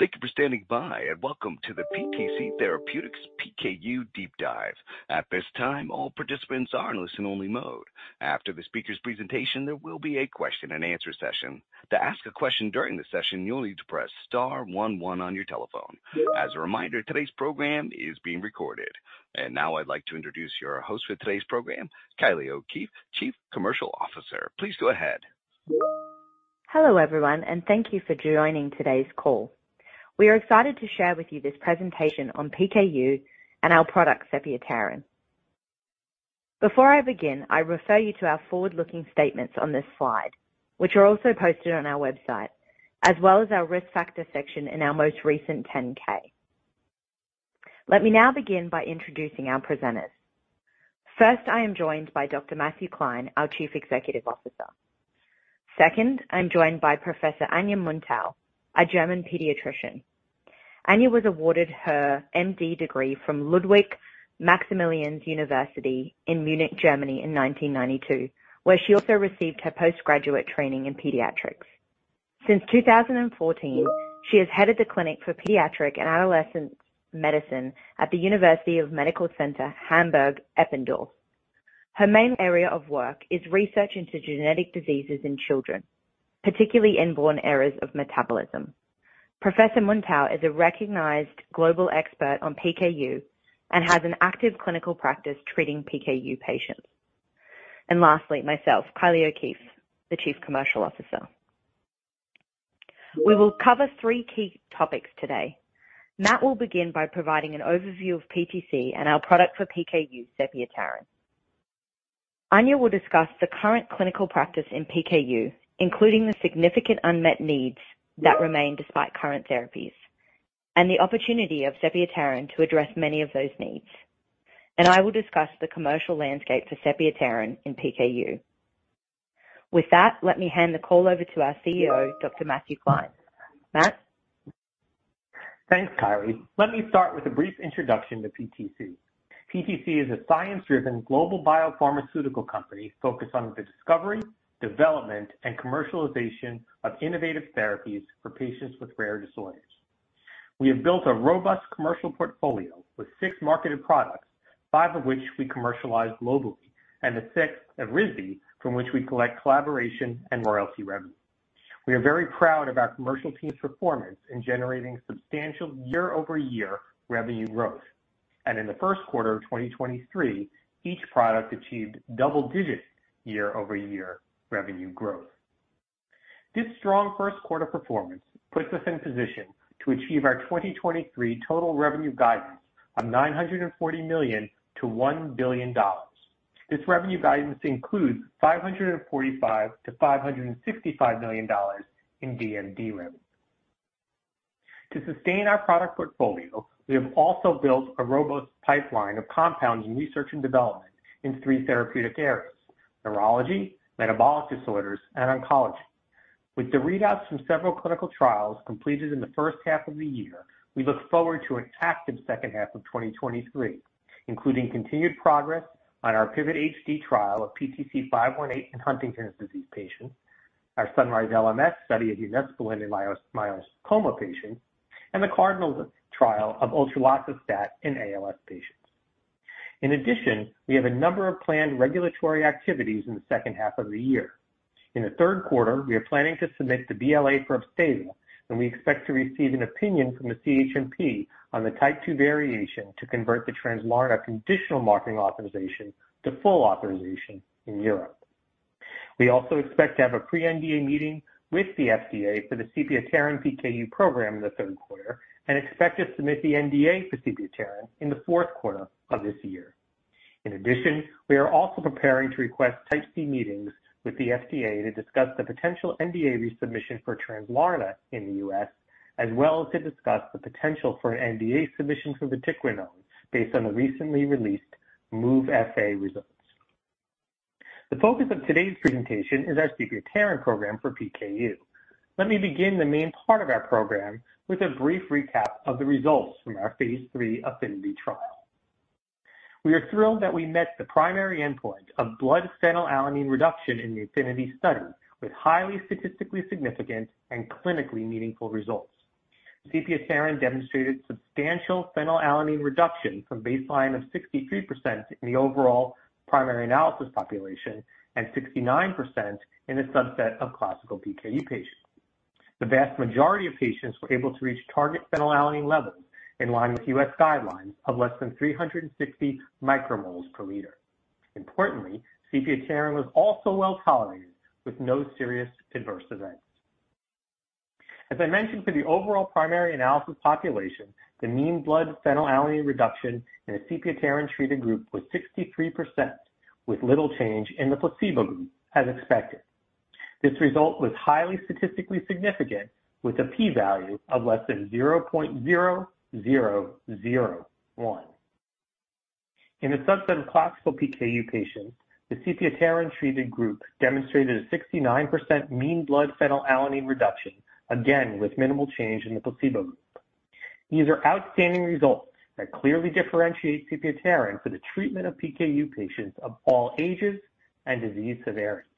Thank you for standing by, and welcome to the PTC Therapeutics PKU Deep Dive. At this time, all participants are in listen-only mode. After the speaker's presentation, there will be a question-and-answer session. To ask a question during the session, you'll need to press star 11 on your telephone. As a reminder, today's program is being recorded. Now I'd like to introduce your host for today's program, Kylie O'Keefe, Chief Commercial Officer. Please go ahead. Hello, everyone, thank you for joining today's call. We are excited to share with you this presentation on PKU and our product, sepiapterin. Before I begin, I refer you to our forward-looking statements on this slide, which are also posted on our website, as well as our risk factors section in our most recent 10-K. Let me now begin by introducing our presenters. First, I am joined by Dr. Matthew Klein, our Chief Executive Officer. Second, I'm joined by Professor Ania Muntau, a German pediatrician. Ania was awarded her MD degree from Ludwig Maximilian University of Munich, Germany, in 1992, where she also received her postgraduate training in pediatrics. Since 2014, she has headed the Clinic for Pediatric and Adolescent Medicine at the University Medical Center Hamburg-Eppendorf. Her main area of work is research into genetic diseases in children, particularly inborn errors of metabolism. Professor Muntau is a recognized global expert on PKU and has an active clinical practice treating PKU patients. Lastly, myself, Kylie O'Keefe, the Chief Commercial Officer. We will cover three key topics today. Matt will begin by providing an overview of PTC and our product for PKU, sepiapterin. Ania will discuss the current clinical practice in PKU, including the significant unmet needs that remain despite current therapies and the opportunity of sepiapterin to address many of those needs. I will discuss the commercial landscape for sepiapterin in PKU. With that, let me hand the call over to our CEO, Dr. Matthew Klein. Matt? Thanks, Kylie. Let me start with a brief introduction to PTC. PTC is a science-driven global biopharmaceutical company focused on the discovery, development, and commercialization of innovative therapies for patients with rare disorders. We have built a robust commercial portfolio with 6 marketed products, 5 of which we commercialize globally, and the 6th, Evrysdi, from which we collect collaboration and royalty revenue. We are very proud of our commercial team's performance in generating substantial year-over-year revenue growth, and in the Q1 of 2023, each product achieved double-digit year-over-year revenue growth. This strong Q1 performance puts us in position to achieve our 2023 total revenue guidance of $940 million-$1 billion. This revenue guidance includes $545 million-$565 million in DMD revenue. To sustain our product portfolio, we have also built a robust pipeline of compounds in research and development in three therapeutic areas: neurology, metabolic disorders, and oncology. With the readouts from several clinical trials completed in the first half of the year, we look forward to an active second half of 2023, including continued progress on our PIVOT-HD trial of PTC518 in Huntington's disease patients, our SUNRISE-LMS study of unesplenically leiomyosarcoma patients and the CardinALS trial of Utreloxastat in ALS patients. In addition, we have a number of planned regulatory activities in the second half of the year. In the Q3, we are planning to submit the BLA for Upstaza, and we expect to receive an opinion from the CHMP on the Type 2 variation to convert the Translarna conditional marketing authorization to full authorization in Europe. We also expect to have a pre-NDA meeting with the FDA for the sepiapterin PKU program in the Q3 and expect to submit the NDA for sepiapterin in the Q4 of this year. In addition, we are also preparing to request Type C meetings with the FDA to discuss the potential NDA resubmission for Translarna in the US, as well as to discuss the potential for an NDA submission for vatiquinone, based on the recently released MOVE-FA results. The focus of today's presentation is our sepiapterin program for PKU. Let me begin the main part of our program with a brief recap of the results from our phase 3 APHENITY trial. We are thrilled that we met the primary endpoint of blood phenylalanine reduction in the APHENITY study, with highly statistically significant and clinically meaningful results. sepiapterin demonstrated substantial phenylalanine reduction from baseline of 63% in the overall primary analysis population and 69% in the subset of classical PKU patients. The vast majority of patients were able to reach target phenylalanine levels in line with U.S. guidelines of less than 360 micromoles per liter. Importantly, sepiapterin was also well tolerated, with no serious adverse events. As I mentioned, for the overall primary analysis population, the mean blood phenylalanine reduction in the sepiapterin-treated group was 63%, with little change in the placebo group, as expected. This result was highly statistically significant, with a P value of less than 0.0001. In the subset of classical PKU patients, the sepiapterin-treated group demonstrated a 69% mean blood phenylalanine reduction, again, with minimal change in the placebo group. These are outstanding results that clearly differentiate sepiapterin for the treatment of PKU patients of all ages and disease severity.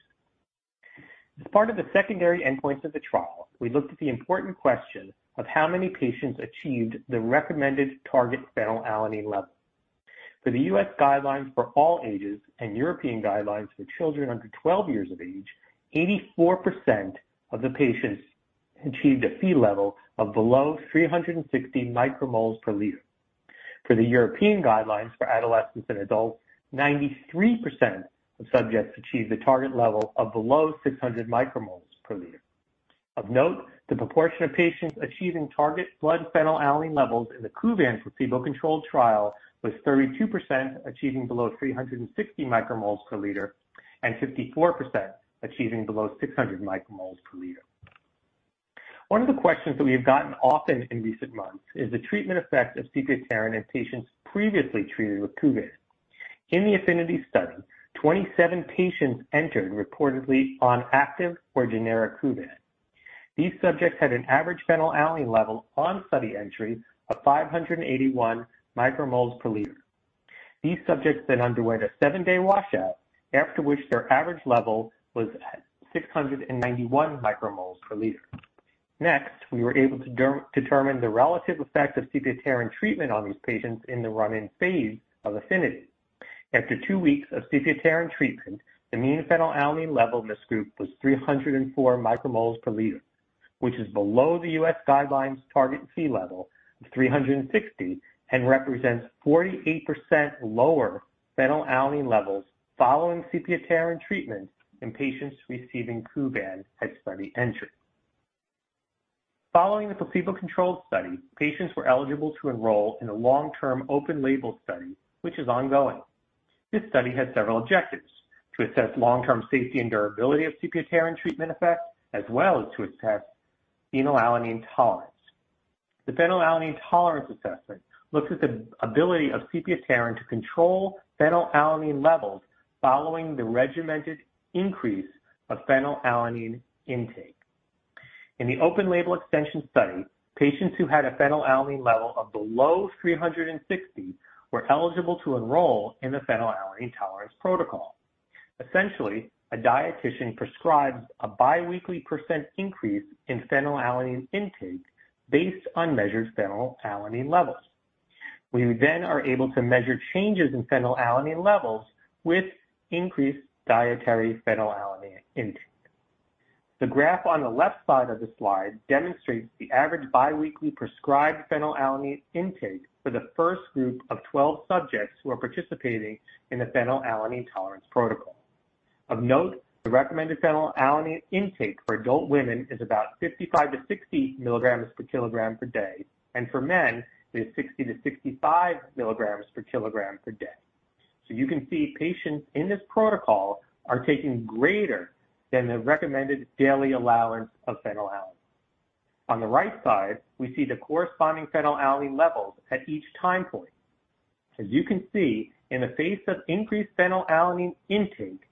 As part of the secondary endpoints of the trial, we looked at the important question of how many patients achieved the recommended target phenylalanine level. For the US guidelines for all ages and European guidelines for children under 12 years of age, 84% of the patients achieved a Phe level of below 360 micromoles per liter. For the European guidelines for adolescents and adults, 93% of subjects achieved a target level of below 600 micromoles per liter. Of note, the proportion of patients achieving target blood phenylalanine levels in the Kuvan placebo-controlled trial was 32%, achieving below 360 micromoles per liter, and 54% achieving below 600 micromoles per liter. One of the questions that we have gotten often in recent months is the treatment effect of sepiapterin in patients previously treated with Kuvan. In the APHENITY study, 27 patients entered reportedly on active or generic Kuvan. These subjects had an average phenylalanine level on study entry of 581 micromoles per liter. These subjects underwent a 7-day washout, after which their average level was at 691 micromoles per liter. We were able to determine the relative effect of sepiapterin treatment on these patients in the run-in phase of APHENITY. After 2 weeks of sepiapterin treatment, the mean phenylalanine level in this group was 304 micromoles per liter, which is below the U.S. guidelines target Phe level of 360, and represents 48% lower phenylalanine levels following sepiapterin treatment in patients receiving Kuvan at study entry. Following the placebo-controlled study, patients were eligible to enroll in a long-term open label study, which is ongoing. This study had several objectives: to assess long-term safety and durability of sepiapterin treatment effects, as well as to assess phenylalanine tolerance. The phenylalanine tolerance assessment looks at the ability of sepiapterin to control phenylalanine levels following the regimented increase of phenylalanine intake. In the open label extension study, patients who had a phenylalanine level of below 360 were eligible to enroll in the phenylalanine tolerance protocol. Essentially, a dietitian prescribes a biweekly % increase in phenylalanine intake based on measured phenylalanine levels. We are able to measure changes in phenylalanine levels with increased dietary phenylalanine intake. The graph on the left side of the slide demonstrates the average biweekly prescribed phenylalanine intake for the first group of 12 subjects who are participating in the phenylalanine tolerance protocol Of note, the recommended phenylalanine intake for adult women is about 55-60 milligrams per kilogram per day, and for men it is 60-65 milligrams per kilogram per day. You can see patients in this protocol are taking greater than the recommended daily allowance of phenylalanine. On the right side, we see the corresponding phenylalanine levels at each time point. As you can see, in the face of increased phenylalanine intake,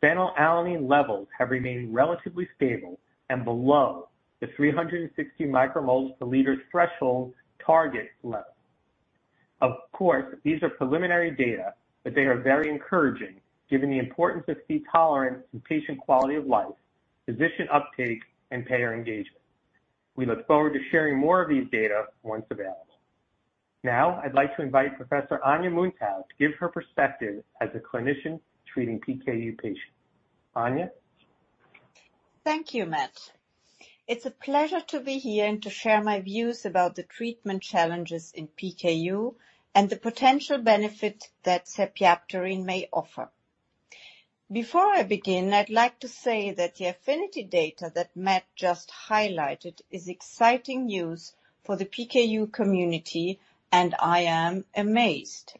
phenylalanine levels have remained relatively stable and below the 360 micromoles per liter threshold target level. Of course, these are preliminary data, but they are very encouraging given the importance of Phe tolerance in patient quality of life, physician uptake and payer engagement. We look forward to sharing more of these data once available. Now I'd like to invite Professor Ania Muntau to give her perspective as a clinician treating PKU patients. Ania? Thank you, Matt. It's a pleasure to be here and to share my views about the treatment challenges in PKU and the potential benefit that sepiapterin may offer. Before I begin, I'd like to say that the APHENITY data that Matt just highlighted is exciting news for the PKU community, and I am amazed.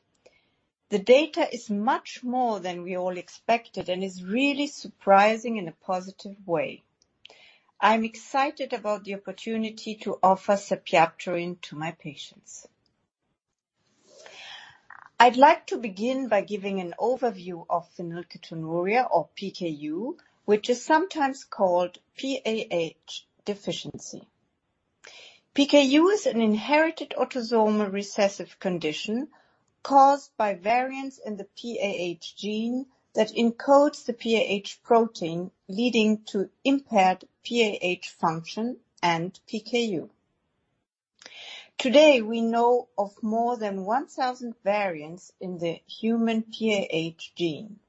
The data is much more than we all expected and is really surprising in a positive way. I'm excited about the opportunity to offer sepiapterin to my patients. I'd like to begin by giving an overview of phenylketonuria or PKU, which is sometimes called PAH deficiency. PKU is an inherited autosomal recessive condition caused by variants in the PAH gene that encodes the PAH protein, leading to impaired PAH function and PKU. Today, we know of more than 1,000 variants in the human PAH gene.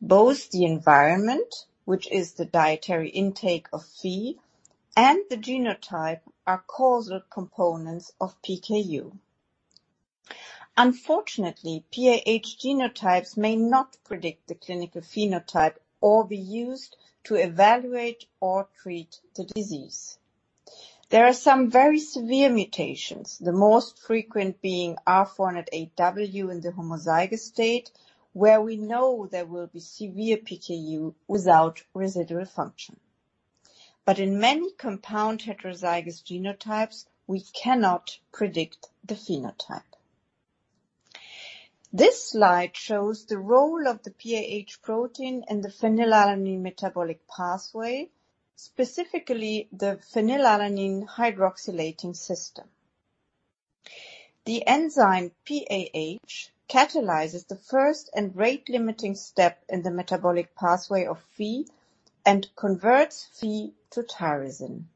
Both the environment, which is the dietary intake of Phe, and the genotype, are causal components of PKU. Unfortunately, PAH genotypes may not predict the clinical phenotype or be used to evaluate or treat the disease. There are some very severe mutations, the most frequent being R408W in the homozygous state, where we know there will be severe PKU without residual function. In many compound heterozygous genotypes, we cannot predict the phenotype. This slide shows the role of the PAH protein in the phenylalanine metabolic pathway, specifically the phenylalanine hydroxylating system. The enzyme PAH catalyzes the first and rate-limiting step in the metabolic pathway of Phe, and converts Phe to tyrosine.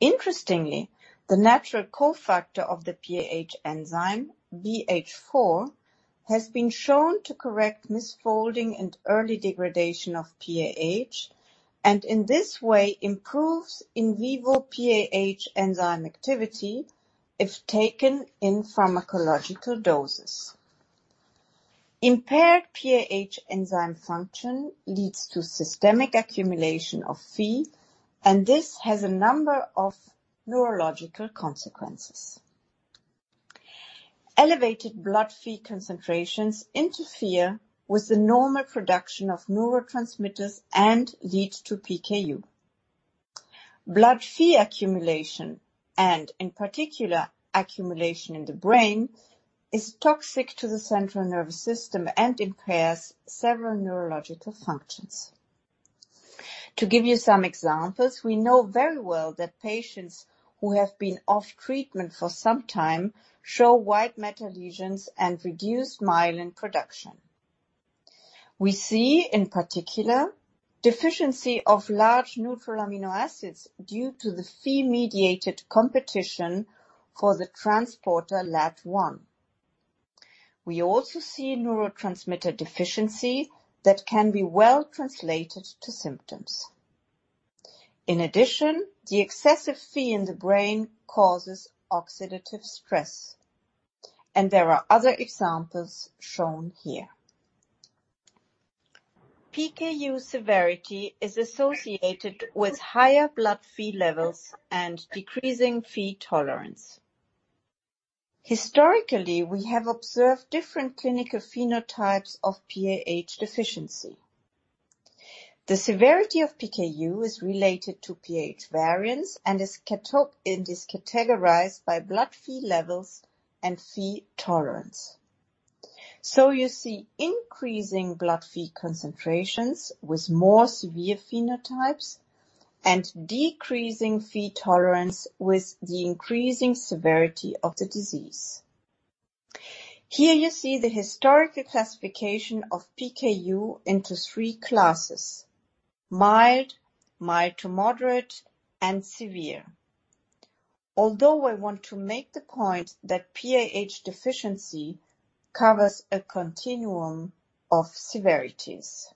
Interestingly, the natural cofactor of the PAH enzyme, BH4, has been shown to correct misfolding and early degradation of PAH, and in this way improves in vivo PAH enzyme activity if taken in pharmacological doses. Impaired PAH enzyme function leads to systemic accumulation of Phe, and this has a number of neurological consequences. Elevated blood Phe concentrations interfere with the normal production of neurotransmitters and leads to PKU. Blood Phe accumulation, and in particular accumulation in the brain, is toxic to the central nervous system and impairs several neurological functions. To give you some examples, we know very well that patients who have been off treatment for some time show white matter lesions and reduced myelin production. We see, in particular, deficiency of large neutral amino acids due to the Phe-mediated competition for the transporter LAT1. We also see neurotransmitter deficiency that can be well translated to symptoms. In addition, the excessive Phe in the brain causes oxidative stress, and there are other examples shown here. PKU severity is associated with higher blood Phe levels and decreasing Phe tolerance. Historically, we have observed different clinical phenotypes of PAH deficiency. The severity of PKU is related to PAH variants and is categorized by blood Phe levels and Phe tolerance. You see increasing blood Phe concentrations with more severe phenotypes, and decreasing Phe tolerance with the increasing severity of the disease. Here you see the historical classification of PKU into three classes: mild to moderate, and severe. Although I want to make the point that PAH deficiency covers a continuum of severities.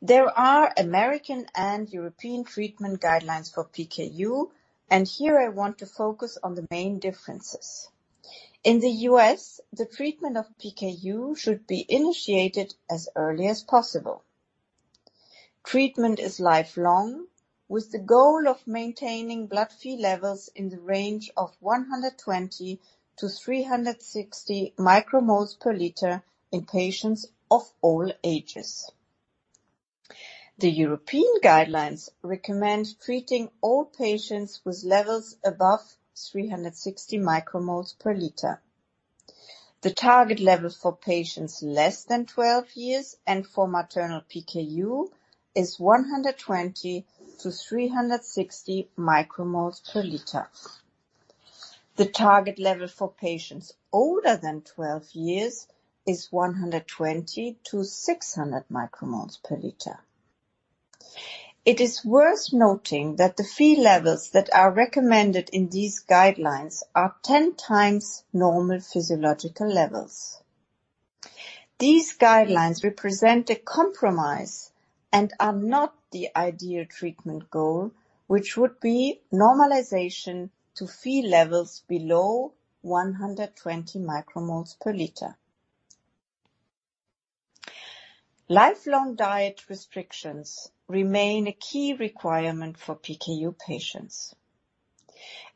There are American and European treatment guidelines for PKU, and here I want to focus on the main differences. In the U.S., the treatment of PKU should be initiated as early as possible. Treatment is lifelong, with the goal of maintaining blood Phe levels in the range of 120-360 micromoles per liter in patients of all ages. The European guidelines recommend treating all patients with levels above 360 micromoles per liter. The target level for patients less than 12 years and for maternal PKU is 120-360 micromoles per liter. The target level for patients older than 12 years is 120-600 micromoles per liter. It is worth noting that the Phe levels that are recommended in these guidelines are 10 times normal physiological levels. These guidelines represent a compromise and are not the ideal treatment goal, which would be normalization to Phe levels below 120 micromoles per liter. Lifelong diet restrictions remain a key requirement for PKU patients.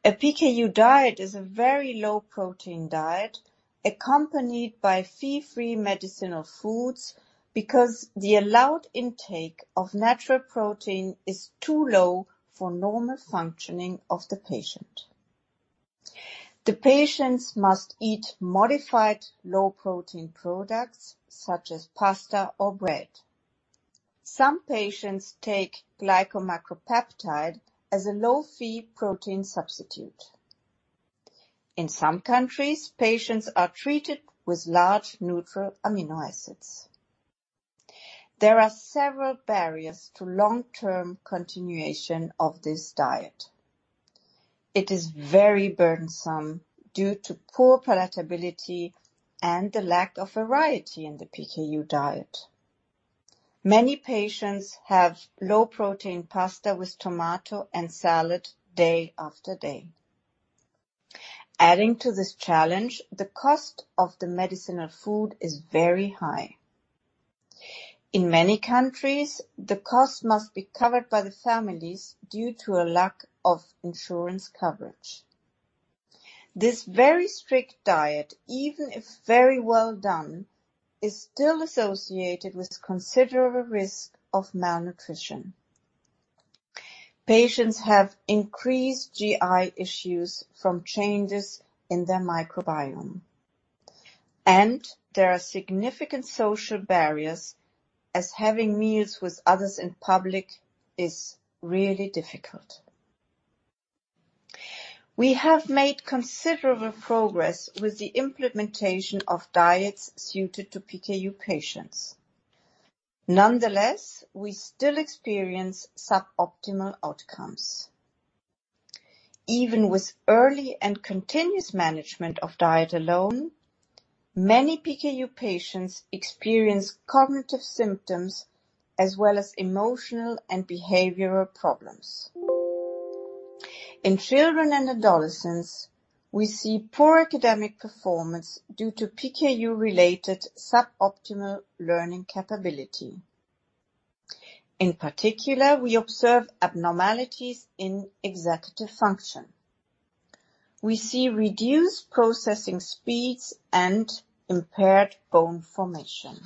A PKU diet is a very low-protein diet accompanied by Phe-free medicinal foods, because the allowed intake of natural protein is too low for normal functioning of the patient. The patients must eat modified low-protein products, such as pasta or bread. Some patients take glycomacropeptide as a low-Phe protein substitute. In some countries, patients are treated with large neutral amino acids. There are several barriers to long-term continuation of this diet. It is very burdensome due to poor palatability and the lack of variety in the PKU diet. Many patients have low-protein pasta with tomato and salad day after day. Adding to this challenge, the cost of the medicinal food is very high. In many countries, the cost must be covered by the families due to a lack of insurance coverage. This very strict diet, even if very well done, is still associated with considerable risk of malnutrition. Patients have increased GI issues from changes in their microbiome. There are significant social barriers, as having meals with others in public is really difficult. We have made considerable progress with the implementation of diets suited to PKU patients. Nonetheless, we still experience suboptimal outcomes. Even with early and continuous management of diet alone, many PKU patients experience cognitive symptoms as well as emotional and behavioral problems. In children and adolescents, we see poor academic performance due to PKU-related suboptimal learning capability. In particular, we observe abnormalities in executive function. We see reduced processing speeds and impaired bone formation.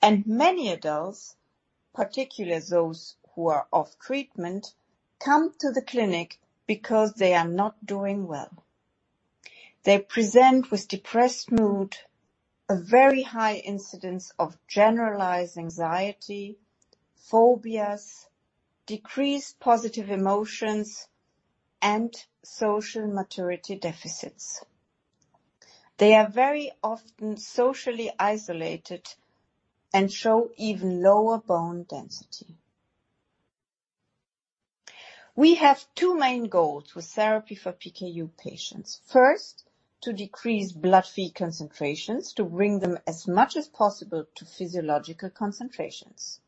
Many adults, particularly those who are off treatment, come to the clinic because they are not doing well. They present with depressed mood, a very high incidence of generalized anxiety, phobias, decreased positive emotions, and social maturity deficits. They are very often socially isolated and show even lower bone density. We have 2 main goals with therapy for PKU patients. First, to decrease blood Phe concentrations, to bring them as much as possible to physiological concentrations,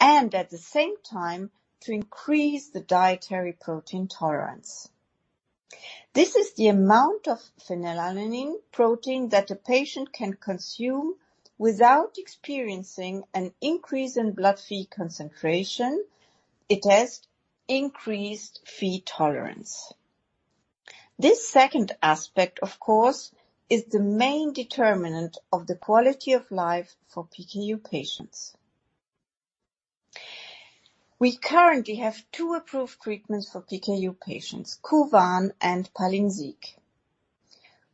and at the same time, to increase the dietary protein tolerance. This is the amount of phenylalanine protein that a patient can consume without experiencing an increase in blood Phe concentration. It has increased Phe tolerance. This second aspect, of course, is the main determinant of the quality of life for PKU patients. We currently have 2 approved treatments for PKU patients, Kuvan and Palynziq.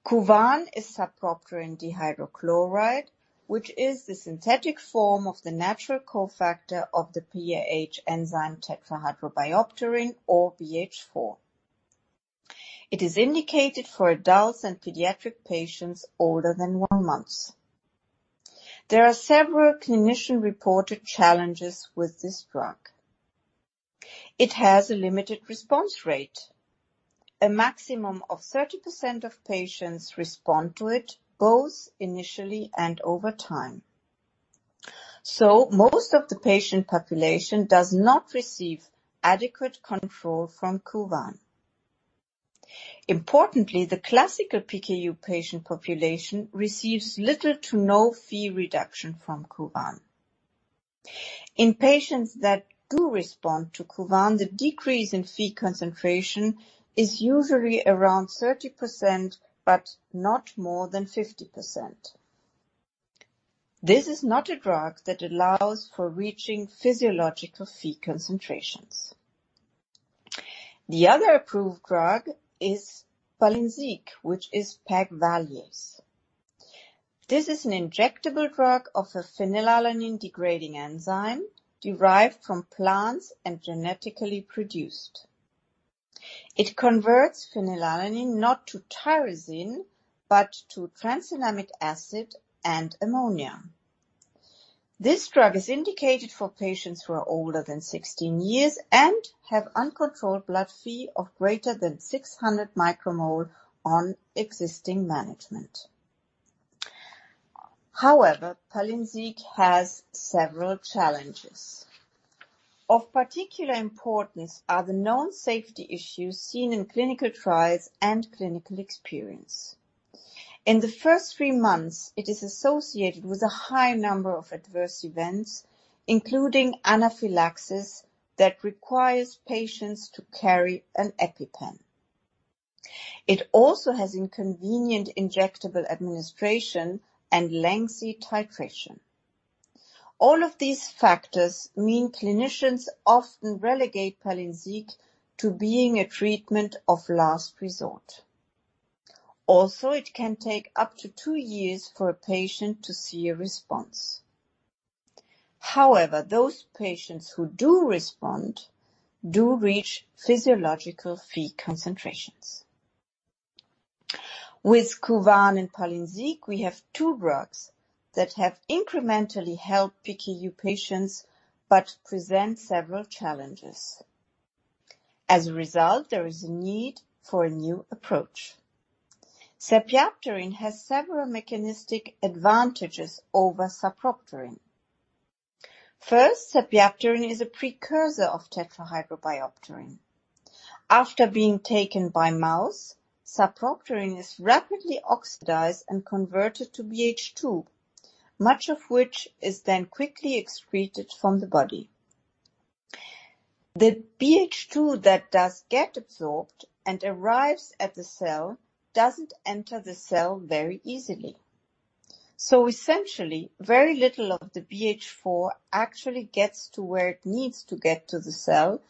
Kuvan is sapropterin dihydrochloride, which is the synthetic form of the natural cofactor of the PAH enzyme tetrahydrobiopterin or BH4. It is indicated for adults and pediatric patients older than 1 month. There are several clinician-reported challenges with this drug. It has a limited response rate. A maximum of 30% of patients respond to it, both initially and over time. Most of the patient population does not receive adequate control from Kuvan. Importantly, the classical PKU patient population receives little to no Phe reduction from Kuvan. In patients that do respond to Kuvan, the decrease in Phe concentration is usually around 30%, but not more than 50%. This is not a drug that allows for reaching physiological Phe concentrations. The other approved drug is Palynziq, which is pegvaliase. This is an injectable drug of a phenylalanine-degrading enzyme derived from plants and genetically produced. It converts phenylalanine not to tyrosine, but to trans-cinnamic acid and ammonia. This drug is indicated for patients who are older than 16 years and have uncontrolled blood Phe of greater than 600 micromole on existing management. Palynziq has several challenges. Of particular importance are the known safety issues seen in clinical trials and clinical experience. In the first 3 months, it is associated with a high number of adverse events, including anaphylaxis, that requires patients to carry an EpiPen. It also has inconvenient injectable administration and lengthy titration. All of these factors mean clinicians often relegate Palynziq to being a treatment of last resort. It can take up to 2 years for a patient to see a response. Those patients who do respond do reach physiological Phe concentrations. With Kuvan and Palynziq, we have 2 drugs that have incrementally helped PKU patients, but present several challenges. As a result, there is a need for a new approach. Sepiapterin has several mechanistic advantages over sapropterin. First, sepiapterin is a precursor of tetrahydrobiopterin. After being taken by mouth, sapropterin is rapidly oxidized and converted to BH2, much of which is then quickly excreted from the body. The BH2 that does get absorbed and arrives at the cell, doesn't enter the cell very easily. Essentially, very little of the BH4 actually gets to where it needs to get to the cell,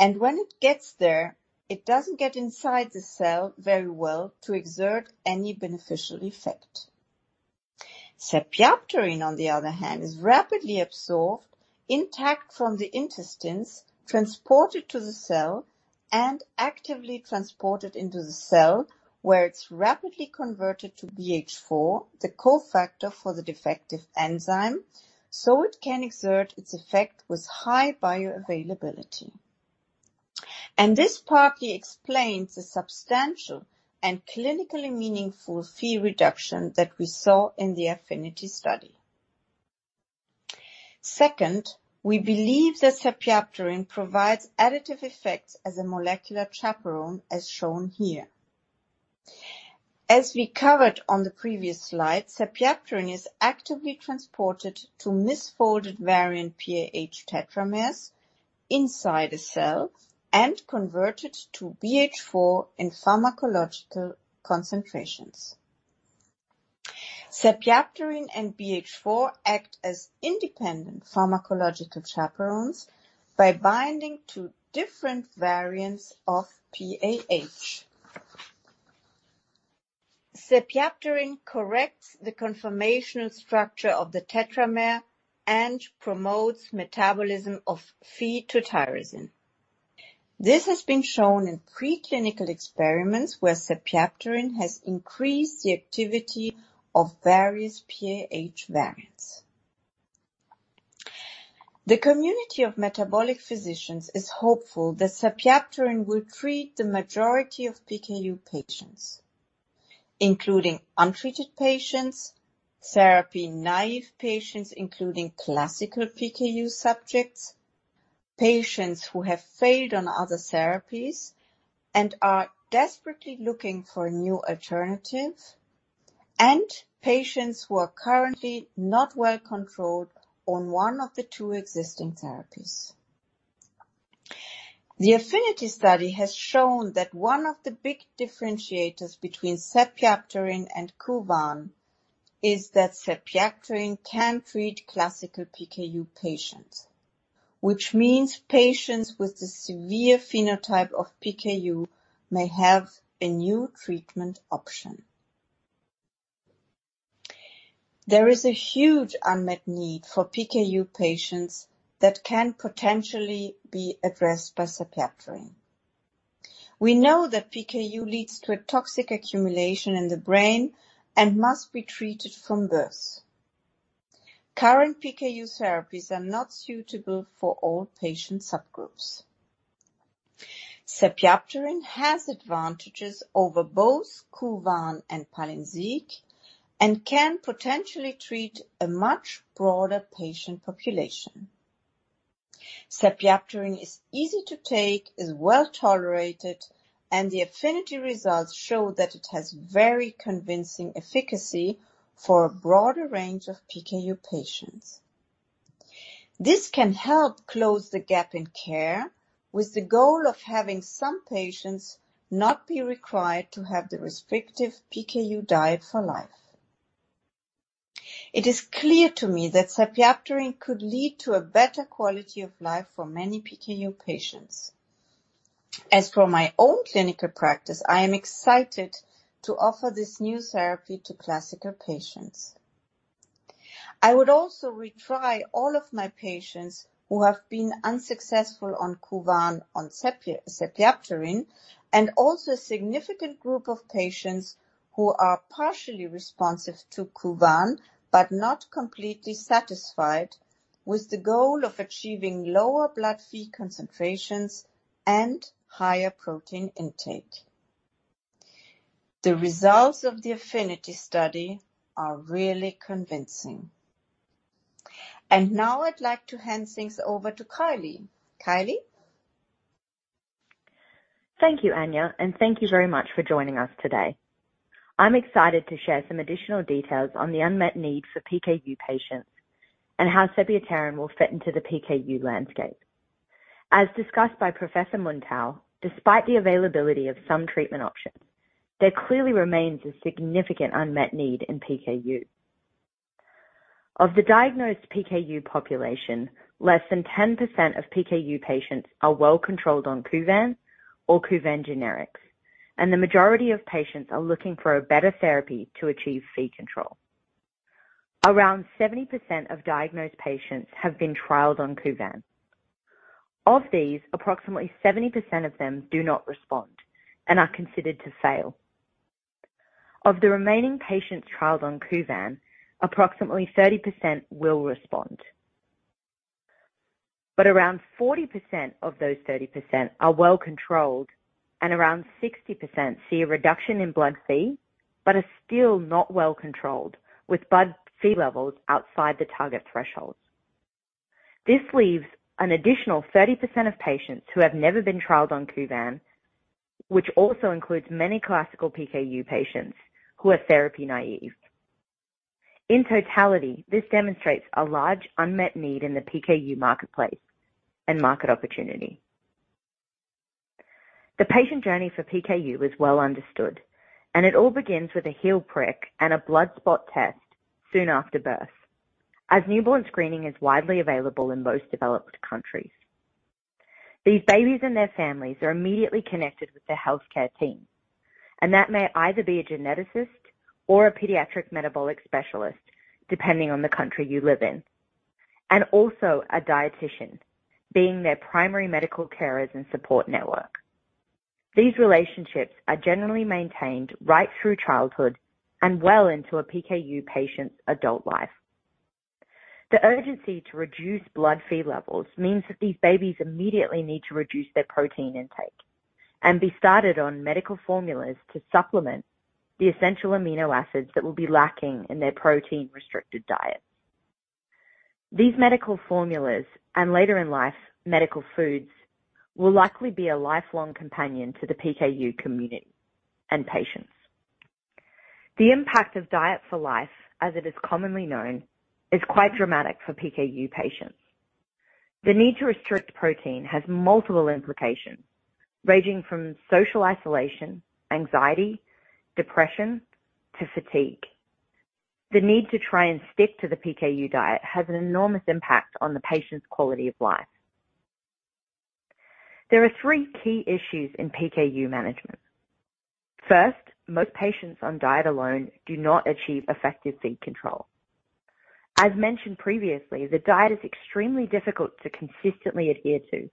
and when it gets there, it doesn't get inside the cell very well to exert any beneficial effect. Sepiapterin, on the other hand, is rapidly absorbed intact from the intestines, transported to the cell, and actively transported into the cell, where it's rapidly converted to BH4, the cofactor for the defective enzyme, so it can exert its effect with high bioavailability. This partly explains the substantial and clinically meaningful Phe reduction that we saw in the APHENITY study. Second, we believe that sepiapterin provides additive effects as a molecular chaperone, as shown here. As we covered on the previous slide, sepiapterin is actively transported to misfolded variant PAH tetramers inside the cell and converted to BH4 in pharmacological concentrations. Sepiapterin and BH4 act as independent pharmacological chaperones by binding to different variants of PAH. Sepiapterin corrects the conformational structure of the tetramer and promotes metabolism of Phe to tyrosine. This has been shown in preclinical experiments where sepiapterin has increased the activity of various PAH variants. The community of metabolic physicians is hopeful that sepiapterin will treat the majority of PKU patients, including untreated patients, therapy-naive patients, including classical PKU subjects, patients who have failed on other therapies and are desperately looking for a new alternative, and patients who are currently not well controlled on one of the two existing therapies. The APHENITY study has shown that one of the big differentiators between sepiapterin and Kuvan is that sepiapterin can treat classical PKU patients, which means patients with the severe phenotype of PKU may have a new treatment option. There is a huge unmet need for PKU patients that can potentially be addressed by sepiapterin. We know that PKU leads to a toxic accumulation in the brain and must be treated from birth. Current PKU therapies are not suitable for all patient subgroups. Sepiapterin has advantages over both Kuvan and Palynziq, and can potentially treat a much broader patient population. Sepiapterin is easy to take, is well-tolerated, and the APHENITY results show that it has very convincing efficacy for a broader range of PKU patients. This can help close the gap in care, with the goal of having some patients not be required to have the restrictive PKU diet for life. It is clear to me that sepiapterin could lead to a better quality of life for many PKU patients. As for my own clinical practice, I am excited to offer this new therapy to classical patients. I would also retry all of my patients who have been unsuccessful on Kuvan on sepiapterin, and also a significant group of patients who are partially responsive to Kuvan, but not completely satisfied, with the goal of achieving lower blood Phe concentrations and higher protein intake. The results of the APHENITY study are really convincing. Now I'd like to hand things over to Kylie. Kylie? Thank you, Ania. Thank you very much for joining us today. I'm excited to share some additional details on the unmet need for PKU patients and how sepiapterin will fit into the PKU landscape. As discussed by Professor Muntau, despite the availability of some treatment options, there clearly remains a significant unmet need in PKU. Of the diagnosed PKU population, less than 10% of PKU patients are well controlled on Kuvan or Kuvan generics, and the majority of patients are looking for a better therapy to achieve Phe control. Around 70% of diagnosed patients have been trialed on Kuvan. Of these, approximately 70% of them do not respond and are considered to fail. Of the remaining patients trialed on Kuvan, approximately 30% will respond, but around 40% of those 30% are well controlled, and around 60% see a reduction in blood Phe, but are still not well controlled, with blood Phe levels outside the target thresholds. This leaves an additional 30% of patients who have never been trialed on Kuvan, which also includes many classical PKU patients who are therapy naive. In totality, this demonstrates a large unmet need in the PKU marketplace and market opportunity. The patient journey for PKU is well understood, and it all begins with a heel prick and a blood spot test soon after birth. Newborn screening is widely available in most developed countries, these babies and their families are immediately connected with their healthcare team, that may either be a geneticist or a pediatric metabolic specialist, depending on the country you live in, and also a dietitian being their primary medical carers and support network. These relationships are generally maintained right through childhood and well into a PKU patient's adult life. The urgency to reduce blood Phe levels means that these babies immediately need to reduce their protein intake and be started on medical formulas to supplement the essential amino acids that will be lacking in their protein-restricted diet. These medical formulas, and later in life, medical foods, will likely be a lifelong companion to the PKU community and patients. The impact of diet for life, as it is commonly known, is quite dramatic for PKU patients. The need to restrict protein has multiple implications, ranging from social isolation, anxiety, depression, to fatigue. The need to try and stick to the PKU diet has an enormous impact on the patient's quality of life. There are three key issues in PKU management. First, most patients on diet alone do not achieve effective Phe control. As mentioned previously, the diet is extremely difficult to consistently adhere to,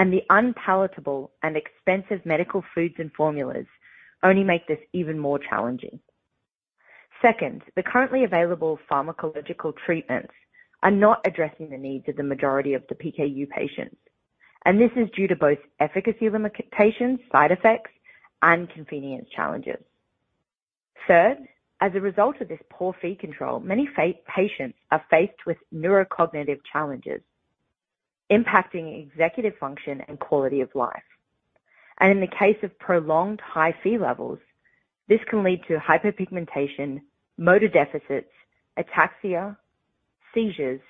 and the unpalatable and expensive medical foods and formulas only make this even more challenging. Second, the currently available pharmacological treatments are not addressing the needs of the majority of the PKU patients, and this is due to both efficacy limitations, side effects, and convenience challenges. Third, as a result of this poor Phe control, many patients are faced with neurocognitive challenges impacting executive function and quality of life. In the case of prolonged high Phe levels, this can lead to hyperpigmentation, motor deficits, ataxia, seizures,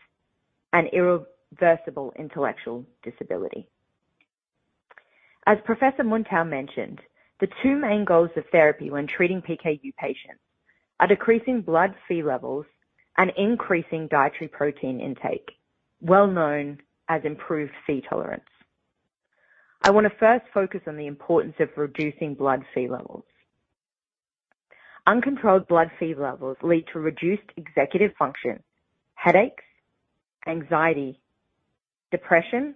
and irreversible intellectual disability. As Professor Muntau mentioned, the two main goals of therapy when treating PKU patients are decreasing blood Phe levels and increasing dietary protein intake, well known as improved Phe tolerance. I want to first focus on the importance of reducing blood Phe levels. Uncontrolled blood Phe levels lead to reduced executive function, headaches, anxiety, depression,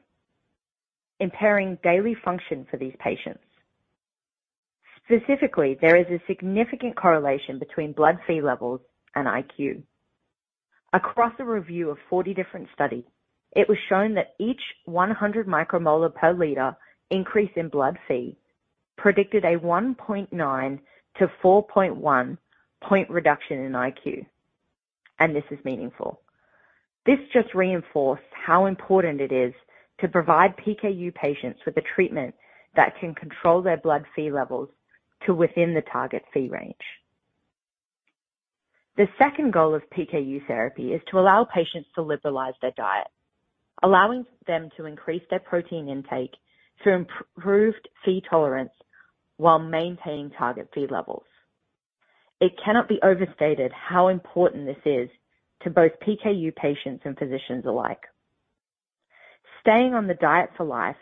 impairing daily function for these patients. Specifically, there is a significant correlation between blood Phe levels and IQ. Across a review of 40 different studies, it was shown that each 100 micromolar per liter increase in blood Phe predicted a 1.9 to 4.1 point reduction in IQ, and this is meaningful. This just reinforces how important it is to provide PKU patients with a treatment that can control their blood Phe levels to within the target Phe range. The second goal of PKU therapy is to allow patients to liberalize their diet, allowing them to increase their protein intake through improved Phe tolerance while maintaining target Phe levels. It cannot be overstated how important this is to both PKU patients and physicians alike. Staying on the diet for life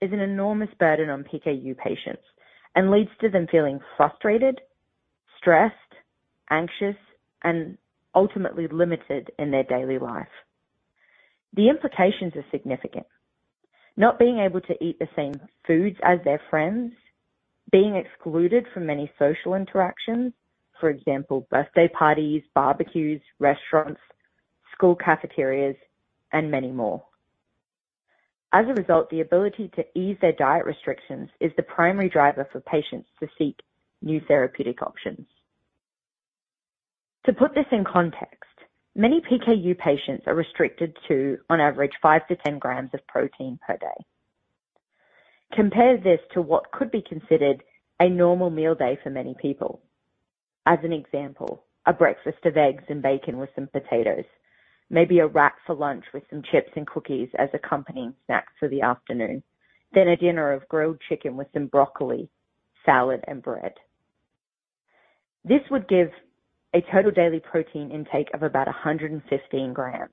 is an enormous burden on PKU patients and leads to them feeling frustrated, stressed, anxious, and ultimately limited in their daily life. The implications are significant. Not being able to eat the same foods as their friends, being excluded from many social interactions, for example, birthday parties, barbecues, restaurants, school cafeterias, and many more. As a result, the ability to ease their diet restrictions is the primary driver for patients to seek new therapeutic options. To put this in context, many PKU patients are restricted to, on average, 5-10 grams of protein per day. Compare this to what could be considered a normal meal day for many people. As an example, a breakfast of eggs and bacon with some potatoes, maybe a wrap for lunch with some chips and cookies as accompanying snacks for the afternoon, then a dinner of grilled chicken with some broccoli, salad, and bread. This would give a total daily protein intake of about 115 grams.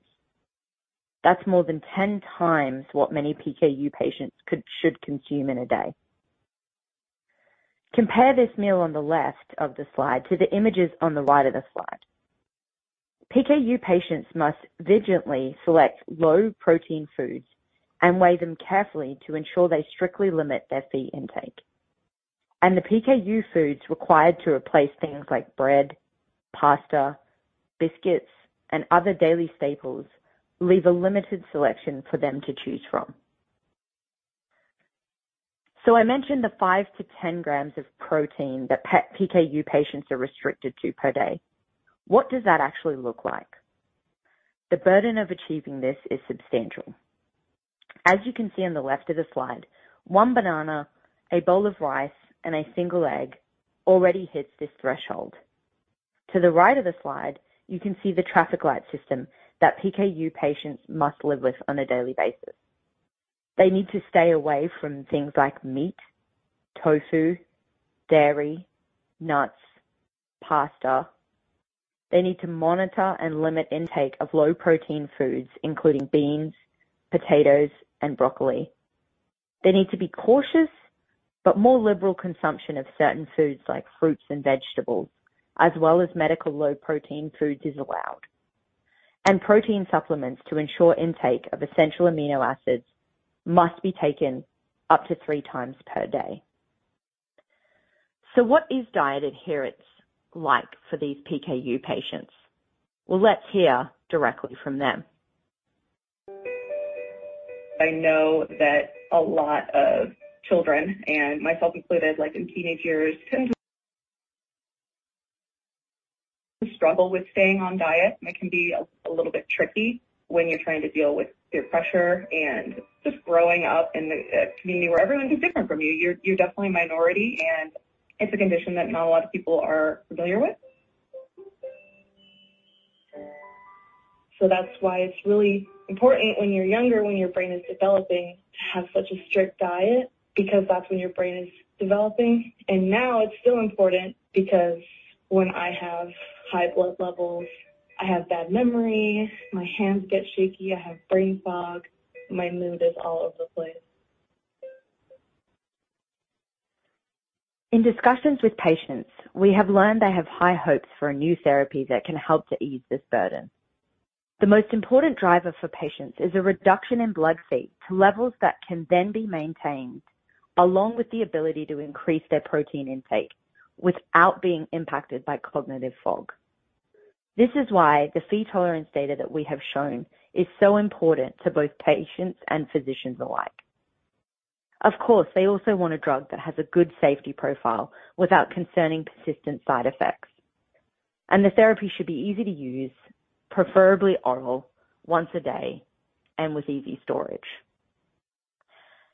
That's more than 10 times what many PKU patients could, should consume in a day. Compare this meal on the left of the slide to the images on the right of the slide. PKU patients must vigilantly select low-protein foods and weigh them carefully to ensure they strictly limit their Phe intake. The PKU foods required to replace things like bread, pasta, biscuits, and other daily staples leave a limited selection for them to choose from. I mentioned the 5-10 grams of protein that PKU patients are restricted to per day. What does that actually look like? The burden of achieving this is substantial. As you can see on the left of the slide, one banana, a bowl of rice, and a single egg already hits this threshold. To the right of the slide, you can see the traffic light system that PKU patients must live with on a daily basis. They need to stay away from things like meat, tofu, dairy, nuts, pasta. They need to monitor and limit intake of low-protein foods, including beans, potatoes, and broccoli. They need to be cautious, more liberal consumption of certain foods like fruits and vegetables, as well as medical low-protein foods, is allowed. Protein supplements to ensure intake of essential amino acids must be taken up to three times per day. What is diet adherence like for these PKU patients? Well, let's hear directly from them. I know that a lot of children and myself included, like in teenage years, tend to struggle with staying on diet. It can be a little bit tricky when you're trying to deal with peer pressure and just growing up in a community where everyone's just different from you. You're definitely a minority, and it's a condition that not a lot of people are familiar with. That's why it's really important when you're younger, when your brain is developing, to have such a strict diet, because that's when your brain is developing. Now it's still important because when I have high blood levels, I have bad memory, my hands get shaky, I have brain fog, my mood is all over the place. In discussions with patients, we have learned they have high hopes for a new therapy that can help to ease this burden. The most important driver for patients is a reduction in blood Phe to levels that can then be maintained, along with the ability to increase their protein intake without being impacted by cognitive fog. This is why the Phe tolerance data that we have shown is so important to both patients and physicians alike. Of course, they also want a drug that has a good safety profile without concerning persistent side effects. The therapy should be easy to use, preferably oral, once a day, and with easy storage.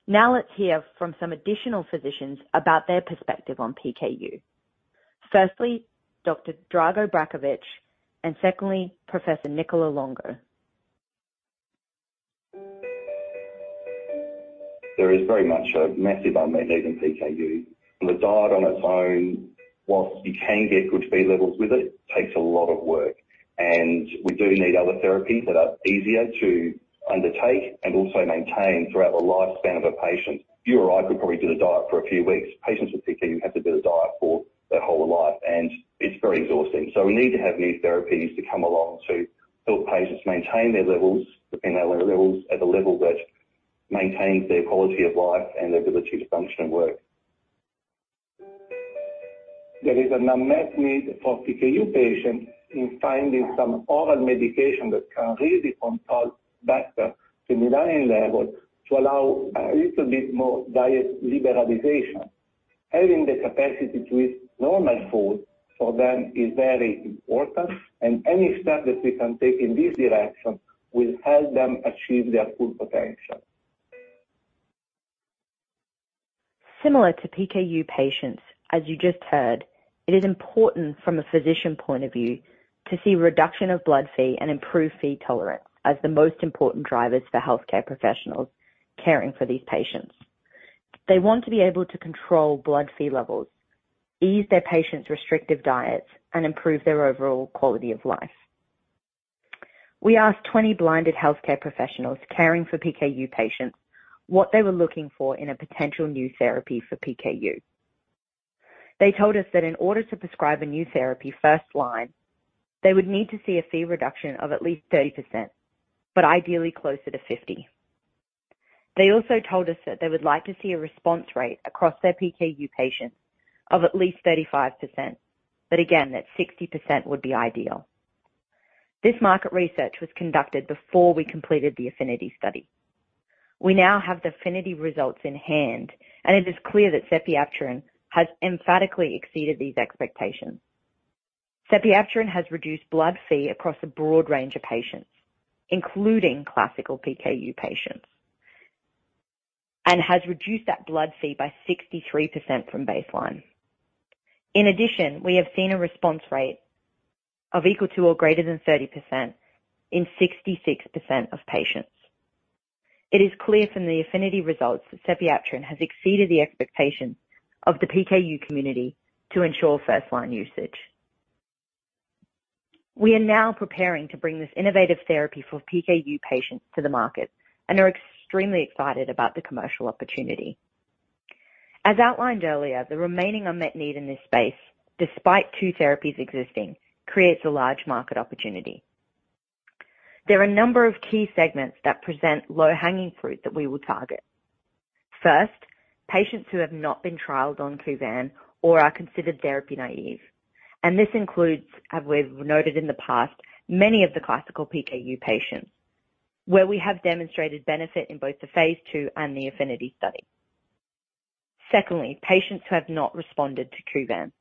Now, let's hear from some additional physicians about their perspective on PKU. Firstly, Dr. Drago Bratkovic and secondly, Professor Nicola Longo. There is very much a massive unmet need in PKU. The diet on its own, whilst you can get good Phe levels with it, takes a lot of work, and we do need other therapies that are easier to undertake and also maintain throughout the lifespan of a patient. You or I could probably do the diet for a few weeks. Patients with PKU have to do the diet for their whole life, and it's very exhausting. We need to have new therapies to come along to help patients maintain their levels, and their levels at a level that maintains their quality of life and their ability to function and work. There is an unmet need for PKU patients in finding some oral medication that can really control better the midline level to allow a little bit more diet liberalization. Having the capacity to eat normal food for them is very important, and any step that we can take in this direction will help them achieve their full potential. Similar to PKU patients, as you just heard, it is important from a physician point of view to see reduction of blood Phe and improved Phe tolerance as the most important drivers for healthcare professionals caring for these patients. They want to be able to control blood Phe levels, ease their patients' restrictive diets, and improve their overall quality of life. We asked 20 blinded healthcare professionals caring for PKU patients what they were looking for in a potential new therapy for PKU. They told us that in order to prescribe a new therapy first line, they would need to see a Phe reduction of at least 30%, but ideally closer to 50. They also told us that they would like to see a response rate across their PKU patients of at least 35%, but again, that 60% would be ideal. This market research was conducted before we completed the APHENITY study. We now have the APHENITY results in hand. It is clear that sepiapterin has emphatically exceeded these expectations. Sepiatrin has reduced blood Phe across a broad range of patients, including classical PKU patients, and has reduced that blood Phe by 63% from baseline. In addition, we have seen a response rate of equal to or greater than 30% in 66% of patients. It is clear from the APHENITY results that sepiapterin has exceeded the expectations of the PKU community to ensure first-line usage. We are now preparing to bring this innovative therapy for PKU patients to the market and are extremely excited about the commercial opportunity. As outlined earlier, the remaining unmet need in this space, despite two therapies existing, creates a large market opportunity. There are a number of key segments that present low-hanging fruit that we will target. First, patients who have not been trialed on Kuvan or are considered therapy naive, and this includes, as we've noted in the past, many of the classical PKU patients, where we have demonstrated benefit in both the Phase 2 and the APHENITY study. Secondly, patients who have not responded to Kuvan.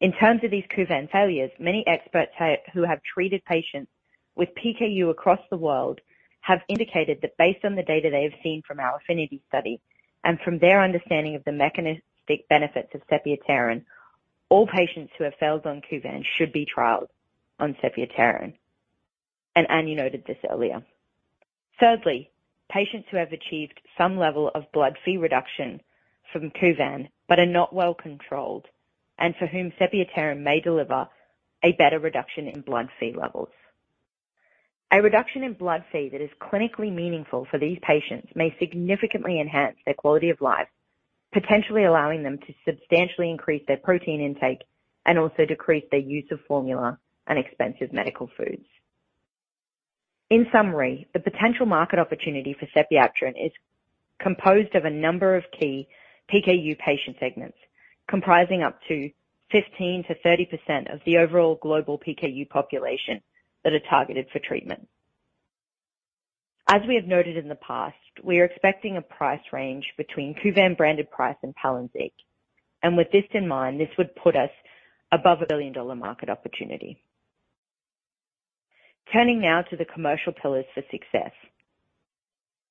In terms of these Kuvan failures, many experts who have treated patients with PKU across the world have indicated that based on the data they have seen from our APHENITY study and from their understanding of the mechanistic benefits of sepiapterin, all patients who have failed on Kuvan should be trialed on sepiapterin, and Ania noted this earlier. Thirdly, patients who have achieved some level of blood Phe reduction from Kuvan, but are not well controlled and for whom sepiapterin may deliver a better reduction in blood Phe levels. A reduction in blood Phe that is clinically meaningful for these patients may significantly enhance their quality of life, potentially allowing them to substantially increase their protein intake and also decrease their use of formula and expensive medical foods. In summary, the potential market opportunity for sepiapterin is composed of a number of key PKU patient segments, comprising up to 15%-30% of the overall global PKU population that are targeted for treatment. As we have noted in the past, we are expecting a price range between Kuvan-branded price and Palynziq, and with this in mind, this would put us above a billion-dollar market opportunity. Turning now to the commercial pillars for success.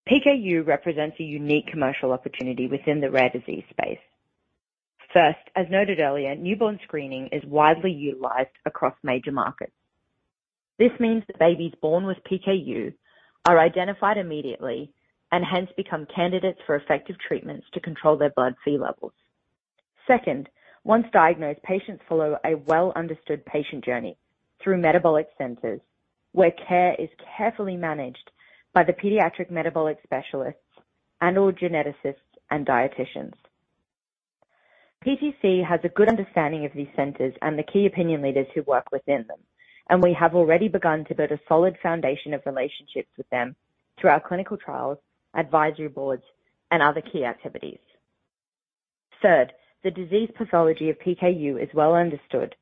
PKU represents a unique commercial opportunity within the rare disease space. First, as noted earlier, newborn screening is widely utilized across major markets. This means that babies born with PKU are identified immediately and hence become candidates for effective treatments to control their blood Phe levels. Second, once diagnosed, patients follow a well-understood patient journey through metabolic centers, where care is carefully managed by the pediatric metabolic specialists and or geneticists and dietitians. PTC has a good understanding of these centers and the key opinion leaders who work within them, and we have already begun to build a solid foundation of relationships with them through our clinical trials, advisory boards, and other key activities. Third, the disease pathology of PKU is well understood,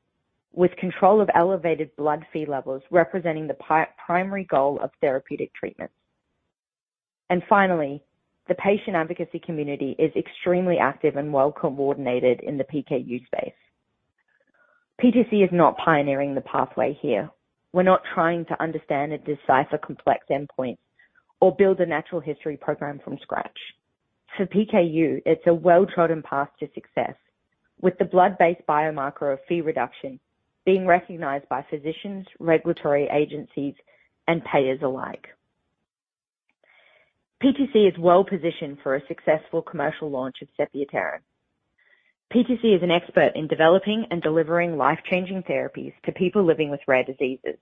with control of elevated blood Phe levels representing the primary goal of therapeutic treatments. Finally, the patient advocacy community is extremely active and well-coordinated in the PKU space. PTC is not pioneering the pathway here. We're not trying to understand and decipher complex endpoints or build a natural history program from scratch. For PKU, it's a well-trodden path to success, with the blood-based biomarker of Phe reduction being recognized by physicians, regulatory agencies, and payers alike. PTC is well positioned for a successful commercial launch of sepiapterin. PTC is an expert in developing and delivering life-changing therapies to people living with rare diseases,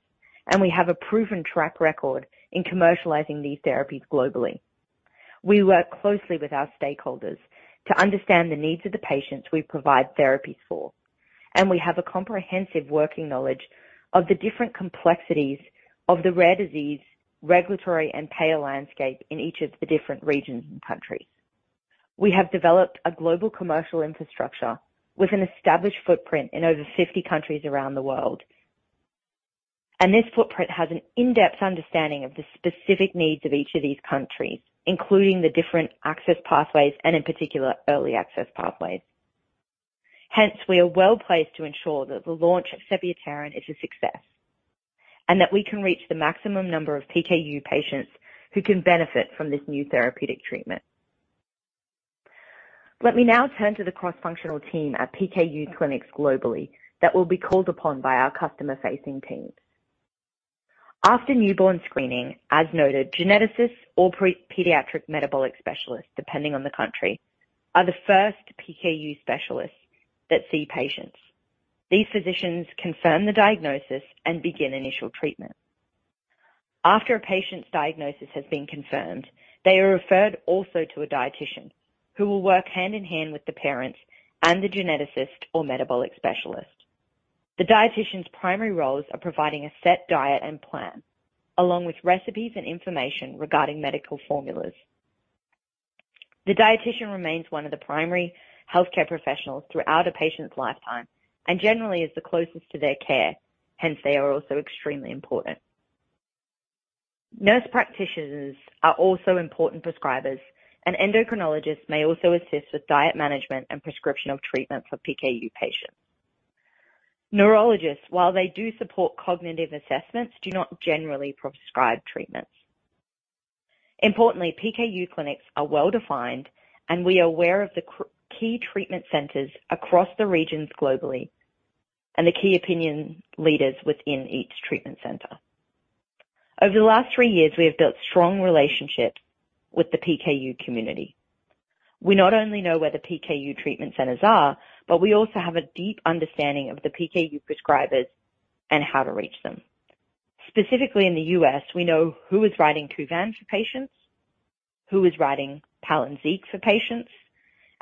and we have a proven track record in commercializing these therapies globally. We work closely with our stakeholders to understand the needs of the patients we provide therapies for, and we have a comprehensive working knowledge of the different complexities of the rare disease, regulatory, and payer landscape in each of the different regions and countries. We have developed a global commercial infrastructure with an established footprint in over 50 countries around the world. This footprint has an in-depth understanding of the specific needs of each of these countries, including the different access pathways and, in particular, early access pathways. Hence, we are well-placed to ensure that the launch of sepiapterin is a success, and that we can reach the maximum number of PKU patients who can benefit from this new therapeutic treatment. Let me now turn to the cross-functional team at PKU clinics globally that will be called upon by our customer-facing teams. After newborn screening, as noted, geneticists or pediatric metabolic specialists, depending on the country, are the first PKU specialists that see patients. These physicians confirm the diagnosis and begin initial treatment. After a patient's diagnosis has been confirmed, they are referred also to a dietitian, who will work hand-in-hand with the parents and the geneticist or metabolic specialist. The dietitian's primary roles are providing a set diet and plan, along with recipes and information regarding medical formulas. The dietitian remains one of the primary healthcare professionals throughout a patient's lifetime and generally is the closest to their care, hence they are also extremely important. Nurse practitioners are also important prescribers, and endocrinologists may also assist with diet management and prescription of treatment for PKU patients. Neurologists, while they do support cognitive assessments, do not generally prescribe treatments. Importantly, PKU clinics are well defined, and we are aware of the key treatment centers across the regions globally and the key opinion leaders within each treatment center. Over the last 3 years, we have built strong relationships with the PKU community. We not only know where the PKU treatment centers are, but we also have a deep understanding of the PKU prescribers and how to reach them. Specifically in the U.S., we know who is writing Kuvan for patients, who is writing Palynziq for patients,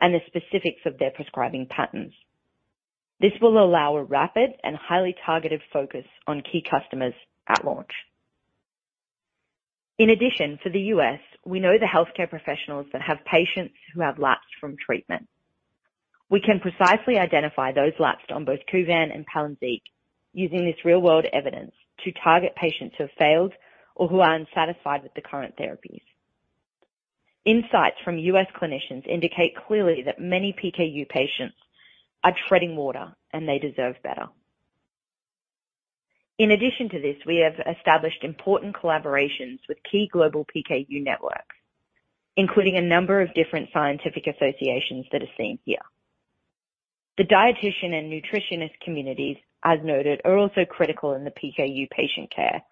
and the specifics of their prescribing patterns. This will allow a rapid and highly targeted focus on key customers at launch. In addition, for the U.S., we know the healthcare professionals that have patients who have lapsed from treatment. We can precisely identify those lapsed on both Kuvan and Palynziq using this real-world evidence to target patients who have failed or who are unsatisfied with the current therapies. Insights from U.S. clinicians indicate clearly that many PKU patients are treading water, and they deserve better. In addition to this, we have established important collaborations with key global PKU networks, including a number of different scientific associations that are seen here. The dietician and nutritionist communities, as noted, are also critical in the PKU patient care,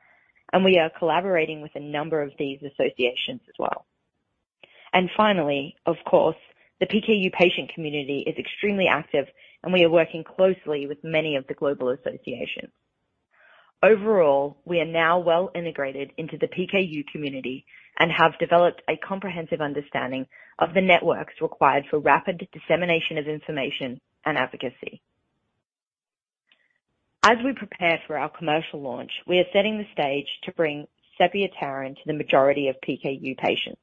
we are collaborating with a number of these associations as well. Finally, of course, the PKU patient community is extremely active, and we are working closely with many of the global associations. Overall, we are now well integrated into the PKU community and have developed a comprehensive understanding of the networks required for rapid dissemination of information and advocacy. As we prepare for our commercial launch, we are setting the stage to bring sepiapterin to the majority of PKU patients.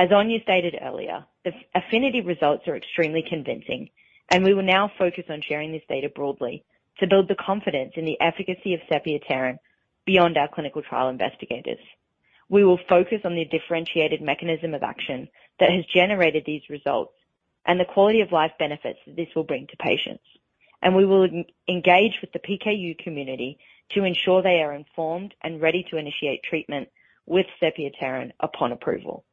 As Anya stated earlier, the APHENITY results are extremely convincing. We will now focus on sharing this data broadly to build the confidence in the efficacy of sepiapterin beyond our clinical trial investigators. We will focus on the differentiated mechanism of action that has generated these results and the quality-of-life benefits that this will bring to patients. We will engage with the PKU community to ensure they are informed and ready to initiate treatment with sepiapterin upon approval.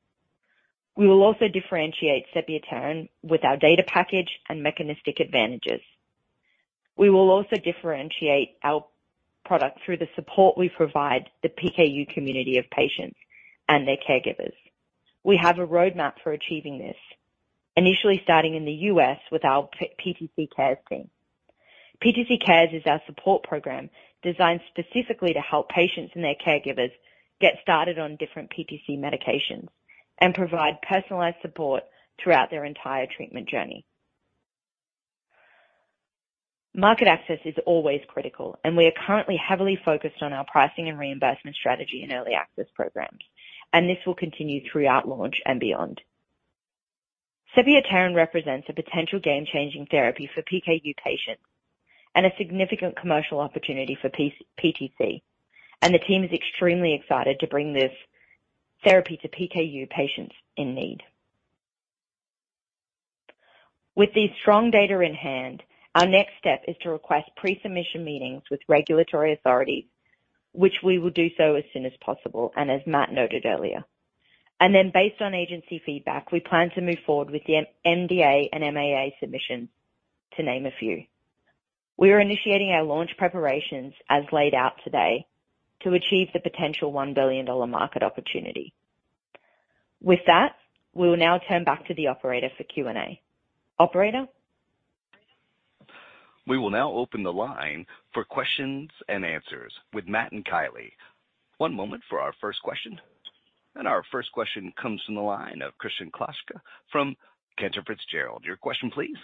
We will also differentiate sepiapterin with our data package and mechanistic advantages. We will also differentiate our product through the support we provide the PKU community of patients and their caregivers. We have a roadmap for achieving this, initially starting in the U.S. with our PTC Cares team. PTC Cares is our support program, designed specifically to help patients and their caregivers get started on different PTC medications and provide personalized support throughout their entire treatment journey. Market access is always critical. We are currently heavily focused on our pricing and reimbursement strategy in early access programs. This will continue throughout launch and beyond. sepiapterin represents a potential game-changing therapy for PKU patients and a significant commercial opportunity for PTC. The team is extremely excited to bring this therapy to PKU patients in need. With these strong data in hand, our next step is to request pre-submission meetings with regulatory authorities, which we will do so as soon as possible, and as Matt noted earlier. Based on agency feedback, we plan to move forward with the NDA and MAA submissions, to name a few. We are initiating our launch preparations as laid out today to achieve the potential $1 billion market opportunity. With that, we will now turn back to the operator for Q&A. Operator? We will now open the line for questions and answers with Matt and Kylie. One moment for our first question. Our first question comes from the line of Kristen Kluska from Cantor Fitzgerald. Your question, please.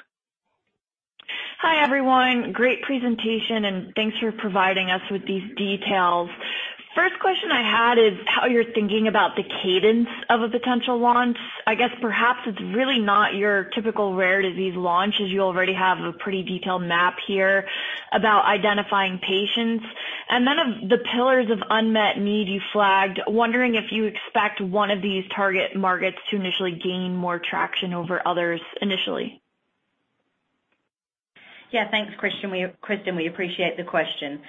Hi, everyone. Great presentation, and thanks for providing us with these details. First question I had is how you're thinking about the cadence of a potential launch. I guess perhaps it's really not your typical rare disease launch, as you already have a pretty detailed map here about identifying patients. Of the pillars of unmet need you flagged, wondering if you expect one of these target markets to initially gain more traction over others initially? Yeah, thanks, Kristen. We, Kristen, we appreciate the question.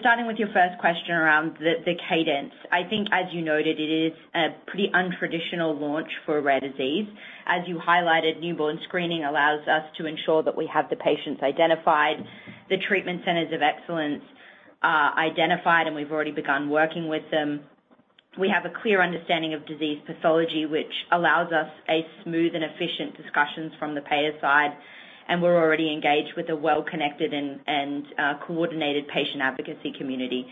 Starting with your first question around the cadence, I think, as you noted, it is a pretty untraditional launch for a rare disease. As you highlighted, newborn screening allows us to ensure that we have the patients identified, the treatment centers of excellence, identified, and we've already begun working with them. We have a clear understanding of disease pathology, which allows us a smooth and efficient discussions from the payer side, and we're already engaged with a well-connected and coordinated patient advocacy community.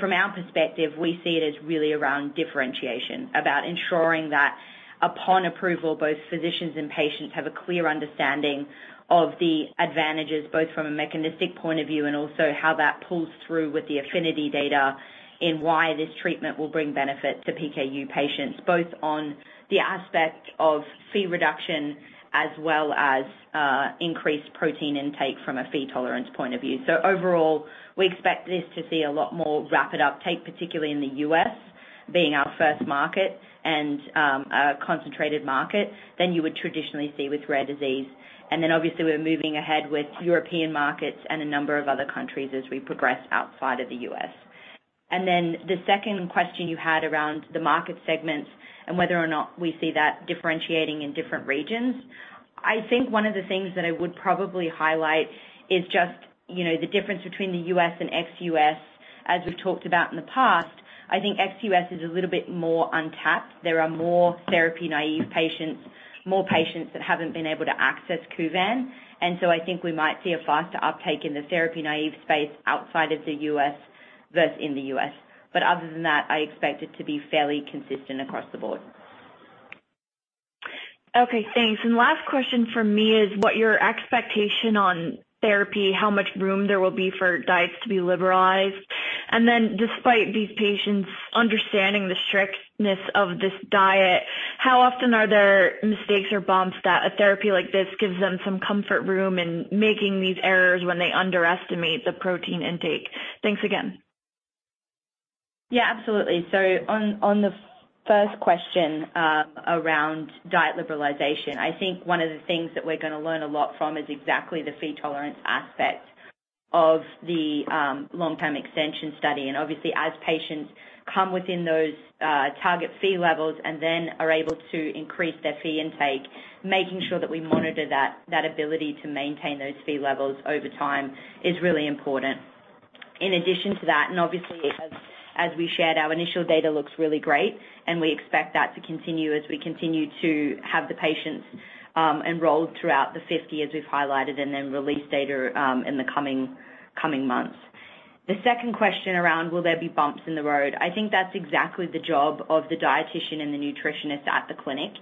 From our perspective, we see it as really around differentiation, about ensuring that upon approval, both physicians and patients have a clear understanding of the advantages, both from a mechanistic point of view and also how that pulls through with the APHENITY data in why this treatment will bring benefit to PKU patients, both on the aspect of Phe reduction as well as increased protein intake from a Phe tolerance point of view. Overall, we expect this to see a lot more rapid uptake, particularly in the US, being our first market and a concentrated market, than you would traditionally see with rare disease. Obviously, we're moving ahead with European markets and a number of other countries as we progress outside of the US. The second question you had around the market segments and whether or not we see that differentiating in different regions. I think one of the things that I would probably highlight is just, you know, the difference between the US and ex-US. As we've talked about in the past, I think ex-US is a little bit more untapped. There are more therapy-naive patients, more patients that haven't been able to access Kuvan, I think we might see a faster uptake in the therapy-naive space outside of the US versus in the US. Other than that, I expect it to be fairly consistent across the board. Okay, thanks. Last question from me is, what your expectation on therapy, how much room there will be for diets to be liberalized? Then, despite these patients understanding the strictness of this diet, how often are there mistakes or bumps that a therapy like this gives them some comfort room in making these errors when they underestimate the protein intake? Thanks again. Yeah, absolutely. On the first question, around diet liberalization, I think one of the things that we're gonna learn a lot from is exactly the Phe tolerance aspect of the long-term extension study. Obviously, as patients come within those, target Phe levels and then are able to increase their Phe intake, making sure that we monitor that ability to maintain those Phe levels over time is really important. In addition to that, obviously, as we shared, our initial data looks really great, and we expect that to continue as we continue to have the patients enrolled throughout the 50 as we've highlighted, and then release data in the coming months. The second question around, will there be bumps in the road? I think that's exactly the job of the dietician and the nutritionist at the clinic,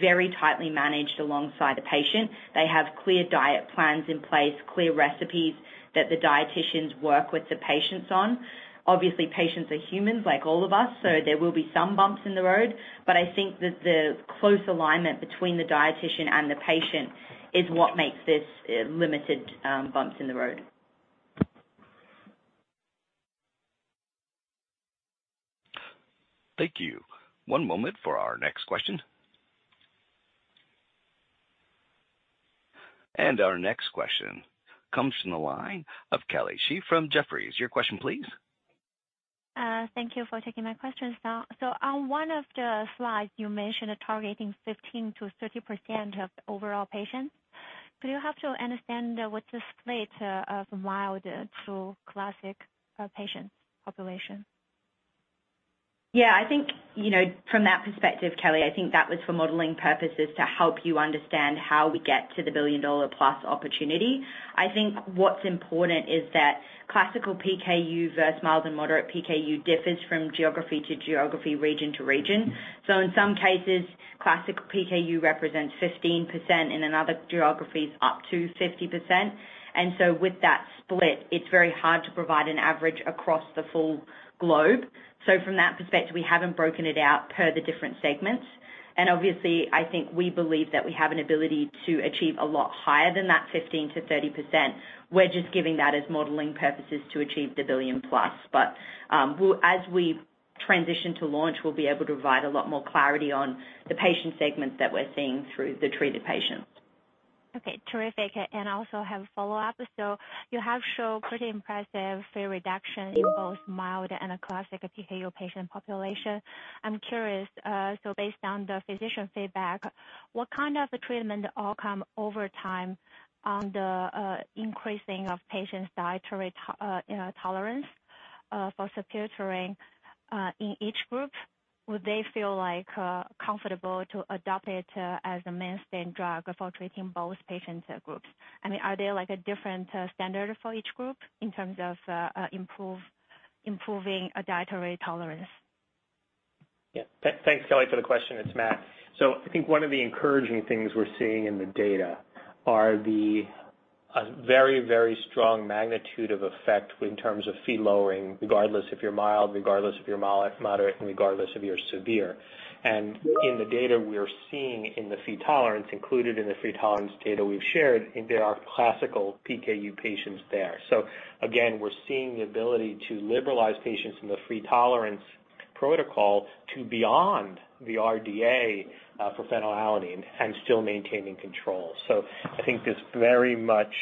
very tightly managed alongside the patient. They have clear diet plans in place, clear recipes that the dieticians work with the patients on. Obviously, patients are humans like all of us, so there will be some bumps in the road. I think that the close alignment between the dietician and the patient is what makes this limited bumps in the road. Thank you. One moment for our next question. Our next question comes from the line of Kelly Shi from Jefferies. Your question, please. Thank you for taking my question, sir. On one of the slides, you mentioned targeting 15%-30% of the overall patients. Do you have to understand what the split of mild to classic patient population? Yeah, I think, you know, from that perspective, Kelly, I think that was for modeling purposes to help you understand how we get to the billion-dollar plus opportunity. I think what's important is that classical PKU versus mild and moderate PKU differs from geography to geography, region to region. In some cases, classical PKU represents 15%, and in other geographies, up to 50%. With that split, it's very hard to provide an average across the full globe. From that perspective, we haven't broken it out per the different segments. Obviously, I think we believe that we have an ability to achieve a lot higher than that 15%-30%. We're just giving that as modeling purposes to achieve the billion plus. As we transition to launch, we'll be able to provide a lot more clarity on the patient segments that we're seeing through the treated patients. Okay, terrific. I also have a follow-up. You have shown pretty impressive Phe reduction in both mild and a classic PKU patient population. I'm curious, based on the physician feedback, what kind of a treatment outcome over time on the increasing of patients' dietary to, you know, tolerance, for sapropterin, in each group? Would they feel, like, comfortable to adopt it as a mainstay drug for treating both patient groups? I mean, are there, like, a different standard for each group in terms of improving a dietary tolerance? Thanks, Kelly, for the question. It's Matt. I think one of the encouraging things we're seeing in the data are a very strong magnitude of effect in terms of Phe lowering, regardless if you're mild, moderate, and regardless if you're severe. In the data we are seeing in the Phe tolerance, included in the Phe tolerance data we've shared, there are classical PKU patients there. Again, we're seeing the ability to liberalize patients from the Phe tolerance protocol to beyond the RDA for phenylalanine and still maintaining control. I think this very much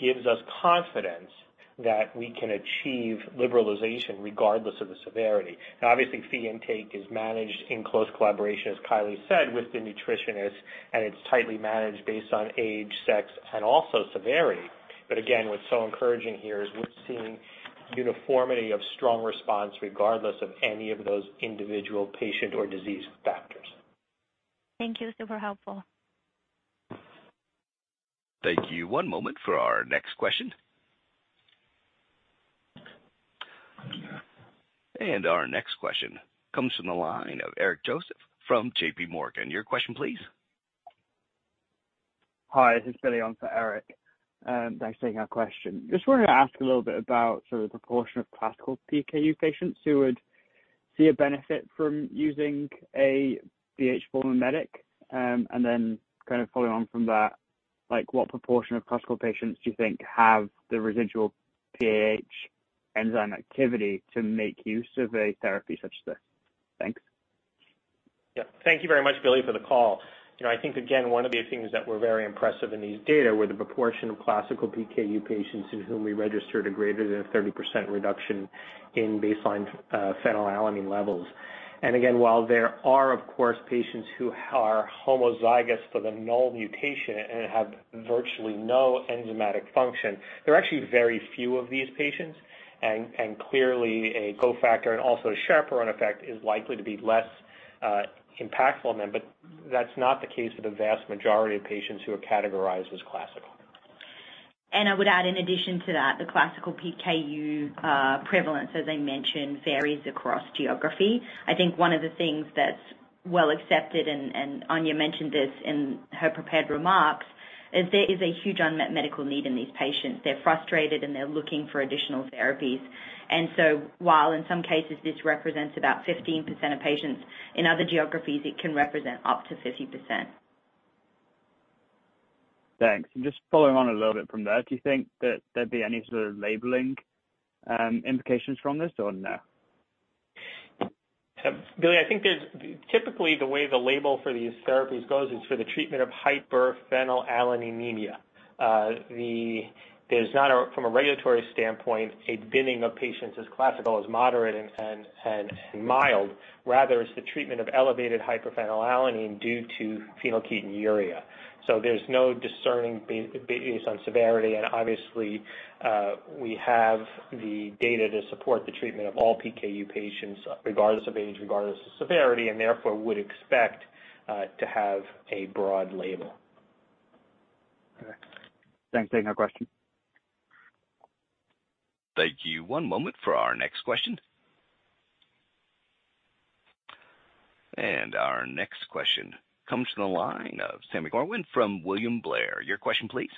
gives us confidence that we can achieve liberalization regardless of the severity. Obviously, Phe intake is managed in close collaboration, as Kylie said, with the nutritionist, and it's tightly managed based on age, sex, and also severity. Again, what's so encouraging here is we're seeing uniformity of strong response regardless of any of those individual patient or disease factors. Thank you. Super helpful. Thank you. One moment for our next question. Our next question comes from the line of Eric Joseph from J.P. Morgan. Your question, please. Hi, this is Billy on for Eric. Thanks for taking our question. Just wanted to ask a little bit about sort of the proportion of classical PKU patients who would see a benefit from using a BH4 medic. Kind of following on from that, like, what proportion of classical patients do you think have the residual PAH enzyme activity to make use of a therapy such as this? Thanks. Yeah. Thank you very much, Billy, for the call. You know, I think, again, one of the things that were very impressive in these data were the proportion of classical PKU patients in whom we registered a greater than a 30% reduction in baseline phenylalanine levels. Again, while there are, of course, patients who are homozygous for the null mutation and have virtually no enzymatic function, there are actually very few of these patients, and clearly a cofactor and also a chaperone effect is likely to be less impactful on them. That's not the case for the vast majority of patients who are categorized as classical. I would add, in addition to that, the classical PKU prevalence, as I mentioned, varies across geography. I think one of the things that's well accepted, and Anya mentioned this in her prepared remarks, is there is a huge unmet medical need in these patients. They're frustrated, and they're looking for additional therapies. While in some cases this represents about 15% of patients, in other geographies it can represent up to 50%. Thanks. Just following on a little bit from there, do you think that there'd be any sort of labeling implications from this or no? Billy, I think typically, the way the label for these therapies goes is for the treatment of hyperphenylalaninemia. There's not a, from a regulatory standpoint, a binning of patients as classical, as moderate and mild. Rather, it's the treatment of elevated hyperphenylalanine due to phenylketonuria. So there's no discerning based on severity. Obviously, we have the data to support the treatment of all PKU patients, regardless of age, regardless of severity, and therefore, would expect to have a broad label. Okay. Thanks for taking our question. Thank you. One moment for our next question. Our next question comes from the line of Sami Corwin from William Blair. Your question, please.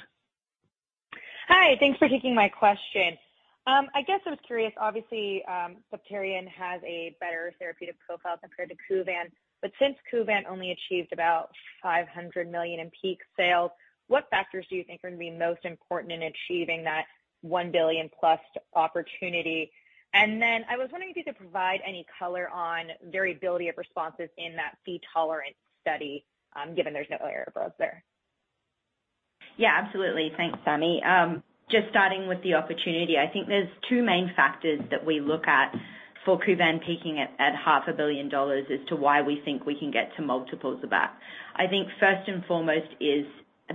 Hi, thanks for taking my question. I guess I was curious, obviously, Sprycel has a better therapeutic profile compared to Kuvan, but since Kuvan only achieved about $500 million in peak sales, what factors do you think are going to be most important in achieving that $1 billion-plus opportunity? I was wondering if you could provide any color on variability of responses in that Phe-tolerance study, given there's no error bars there. Yeah, absolutely. Thanks, Sami. Just starting with the opportunity, I think there's 2 main factors that we look at for Kuvan peaking at half a billion dollars as to why we think we can get to multiples of that. I think first and foremost is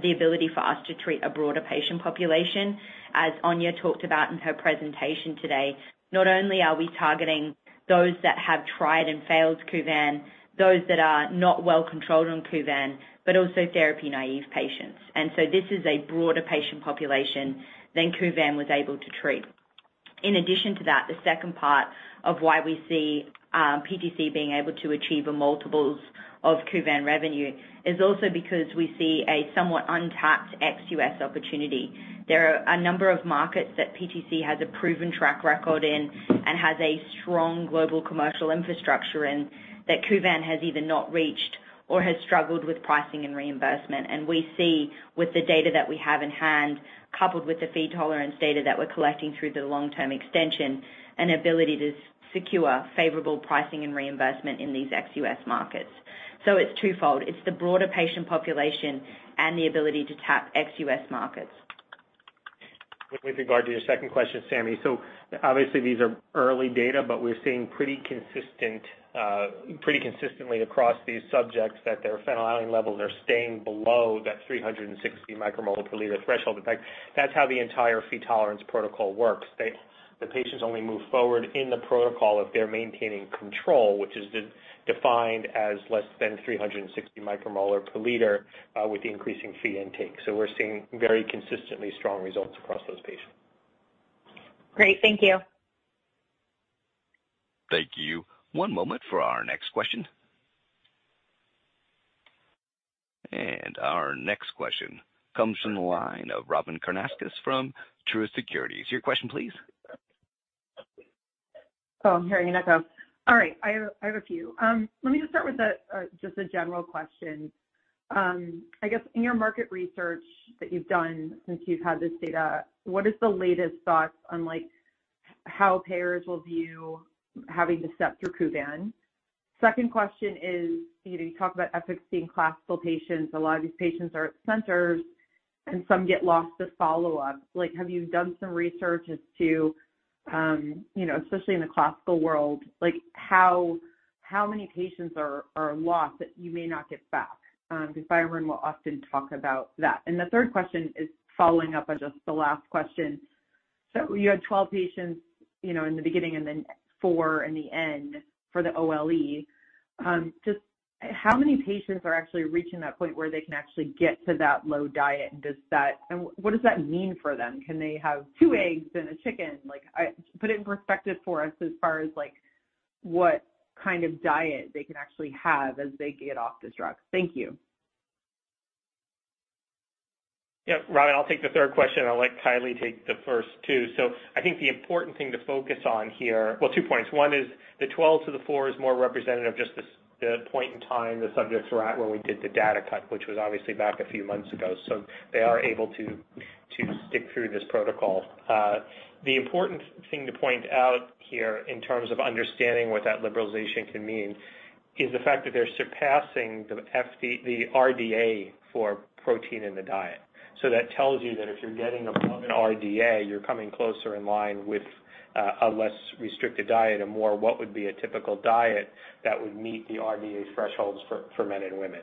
the ability for us to treat a broader patient population. As Anya talked about in her presentation today, not only are we targeting those that have tried and failed Kuvan, those that are not well controlled on Kuvan, but also therapy-naive patients. This is a broader patient population than Kuvan was able to treat. In addition to that, the second part of why we see PTC being able to achieve the multiples of Kuvan revenue is also because we see a somewhat untapped ex-US opportunity. There are a number of markets that PTC has a proven track record in and has a strong global commercial infrastructure in, that Kuvan has either not reached or has struggled with pricing and reimbursement. We see with the data that we have in hand, coupled with the Phe-tolerance data that we're collecting through the long-term extension, an ability to secure favorable pricing and reimbursement in these ex-US markets. It's twofold. It's the broader patient population and the ability to tap ex-US markets. With regard to your second question, Sami, obviously these are early data, but we're seeing pretty consistent, pretty consistently across these subjects, that their phenylalanine levels are staying below that 360 micromole per liter threshold. In fact, that's how the entire Phe-tolerance protocol works. The patients only move forward in the protocol if they're maintaining control, which is defined as less than 360 micromolar per liter, with increasing Phe intake. We're seeing very consistently strong results across those patients. Great. Thank you. Thank you. One moment for our next question. Our next question comes from the line of Robyn Karnauskas from Truist Securities. Your question, please. Oh, I'm hearing an echo. All right, I have a few. Let me just start with a general question. I guess in your market research that you've done since you've had this data, what is the latest thoughts on, like, how payers will view having to step through Kuvan? Second question is, you know, you talk about efficacy in classical patients. A lot of these patients are at centers, and some get lost to follow up. Like, have you done some research as to, you know, especially in the classical world, like, how many patients are lost that you may not get back? Because Biogen will often talk about that. The third question is following up on just the last question. You had 12 patients, you know, in the beginning and then 4 in the end for the OLE. Just how many patients are actually reaching that point where they can actually get to that low diet, and what does that mean for them? Can they have 2 eggs and a chicken? Like, put it in perspective for us as far as, like, what kind of diet they can actually have as they get off this drug. Thank you. Robyn, I'll take the third question, and I'll let Kylie take the first two. I think the important thing to focus on here. Well, two points. One is the 12 to the 4 is more representative of just the point in time the subjects were at when we did the data cut, which was obviously back a few months ago. They are able to stick through this protocol. The important thing to point out here in terms of understanding what that liberalization can mean is the fact that they're surpassing the RDA for protein in the diet. That tells you that if you're getting above an RDA, you're coming closer in line with, a less restricted diet and more what would be a typical diet that would meet the RDA thresholds for men and women.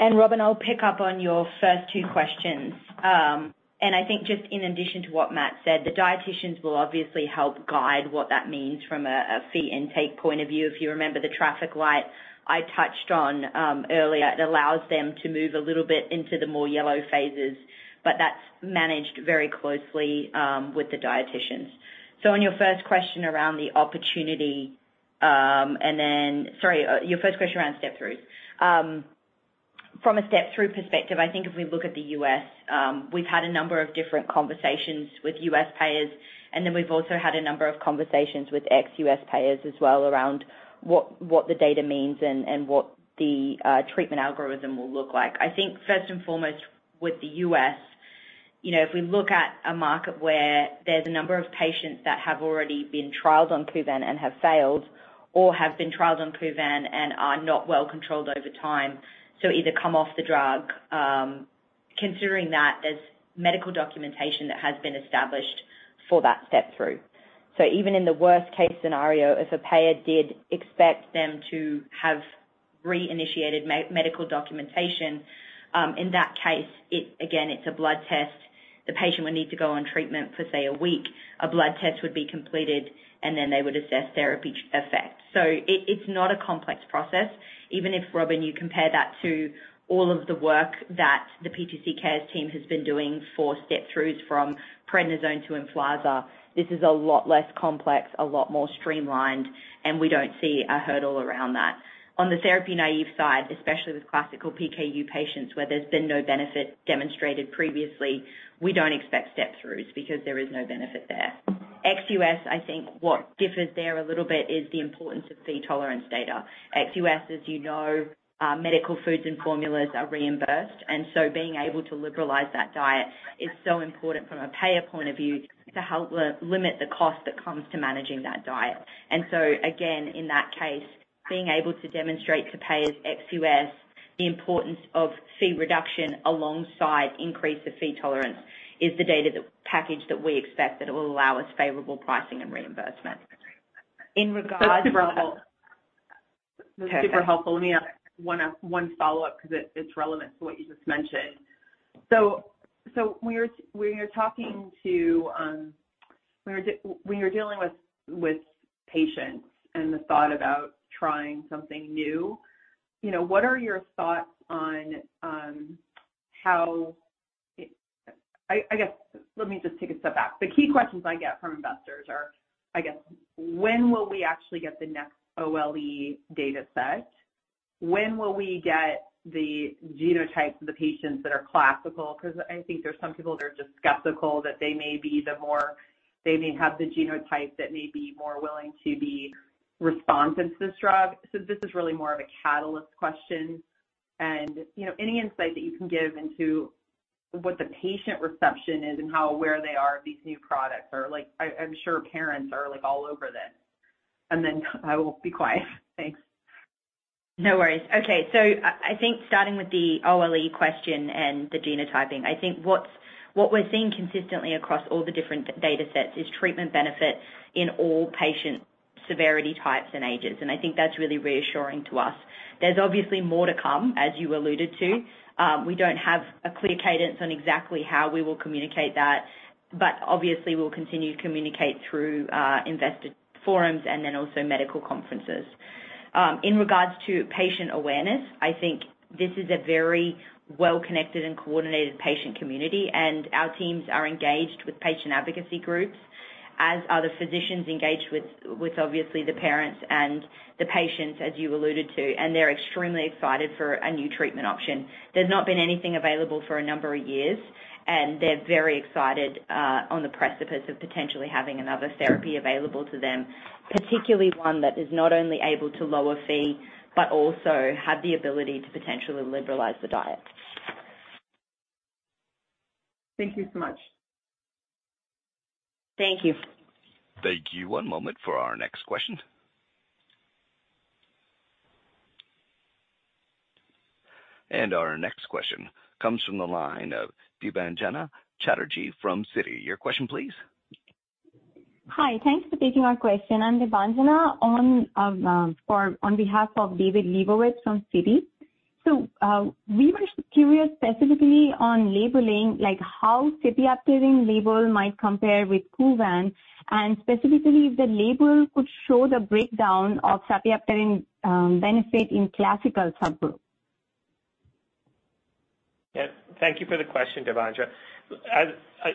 Robyn, I'll pick up on your 1st 2 questions. I think just in addition to what Matt said, the dieticians will obviously help guide what that means from a fee intake point of view. If you remember the traffic light I touched on earlier, it allows them to move a little bit into the more yellow phases, but that's managed very closely with the dieticians. On your 1st question around the opportunity, sorry, your 1st question around step-throughs. From a step-through perspective, I think if we look at the U.S., we've had a number of different conversations with U.S. payers, we've also had a number of conversations with ex-U.S. payers as well around what the data means and what the treatment algorithm will look like. I think first and foremost, with the you know, if we look at a market where there's a number of patients that have already been trialed on Kuvan and have failed, or have been trialed on Kuvan and are not well controlled over time, so either come off the drug, considering that there's medical documentation that has been established for that step-through. Even in the worst case scenario, if a payer did expect them to have reinitiated medical documentation, in that case, it, again, it's a blood test. The patient would need to go on treatment for, say, a week. A blood test would be completed, and then they would assess therapy effect. It, it's not a complex process. Robyn, you compare that to all of the work that the PTC Cares team has been doing for step-throughs from prednisone to Emflaza, this is a lot less complex, a lot more streamlined, and we don't see a hurdle around that. On the therapy-naive side, especially with classical PKU patients, where there's been no benefit demonstrated previously, we don't expect step-throughs because there is no benefit there. ex-US, I think what differs there a little bit is the importance of Phe tolerance data. ex-US, as you know, medical foods and formulas are reimbursed, being able to liberalize that diet is so important from a payer point of view, to help limit the cost that comes to managing that diet. Again, in that case, being able to demonstrate to payers ex-US, the importance of Phe reduction alongside increase of Phe tolerance, is the data, the package that we expect that it will allow us favorable pricing and reimbursement. That's super helpful. Okay. That's super helpful. Let me ask one follow-up, because it's relevant to what you just mentioned. When you're talking to, when you're dealing with patients and the thought about trying something new, you know, what are your thoughts? I guess, let me just take a step back. The key questions I get from investors are, I guess, when will we actually get the next OLE data set? When will we get the genotypes of the patients that are classical? Because I think there's some people that are just skeptical that they may be the more, they may have the genotype that may be more willing to be responsive to this drug. This is really more of a catalyst question. You know, any insight that you can give into what the patient reception is and how aware they are of these new products. Like, I'm sure parents are, like, all over this. Then I will be quiet. Thanks. No worries. Okay. I think starting with the OLE question and the genotyping, I think what we're seeing consistently across all the different data sets is treatment benefit in all patient severity types and ages, and I think that's really reassuring to us. There's obviously more to come, as you alluded to. We don't have a clear cadence on exactly how we will communicate that, but obviously, we'll continue to communicate through investor forums and then also medical conferences. In regards to patient awareness, I think this is a very well-connected and coordinated patient community, and our teams are engaged with patient advocacy groups, as are the physicians engaged with obviously, the parents and the patients, as you alluded to, and they're extremely excited for a new treatment option. There's not been anything available for a number of years, and they're very excited, on the precipice of potentially having another therapy available to them, particularly one that is not only able to lower Phe, but also have the ability to potentially liberalize the diet. Thank you so much. Thank you. Thank you. One moment for our next question. Our next question comes from the line of Debanjana Chatterjee from Citi. Your question, please. Hi, thanks for taking my question. I'm Debanjana, on behalf of David Lebowitz from Citi. We were curious specifically on labeling, like, how sapropterin label might compare with Kuvan, and specifically, if the label could show the breakdown of sapropterin, benefit in classical subgroup? Yeah, thank you for the question, Debanjana.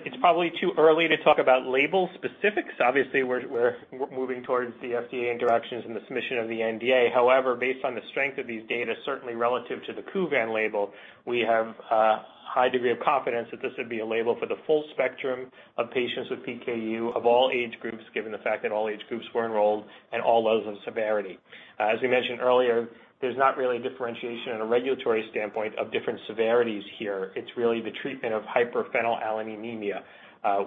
It's probably too early to talk about label specifics. Obviously, we're moving towards the FDA interactions and the submission of the NDA. However, based on the strength of these data, certainly relative to the Kuvan label, we have a high degree of confidence that this would be a label for the full spectrum of patients with PKU of all age groups, given the fact that all age groups were enrolled and all levels of severity. As we mentioned earlier, there's not really a differentiation in a regulatory standpoint of different severities here. It's really the treatment of hyperphenylalaninemia,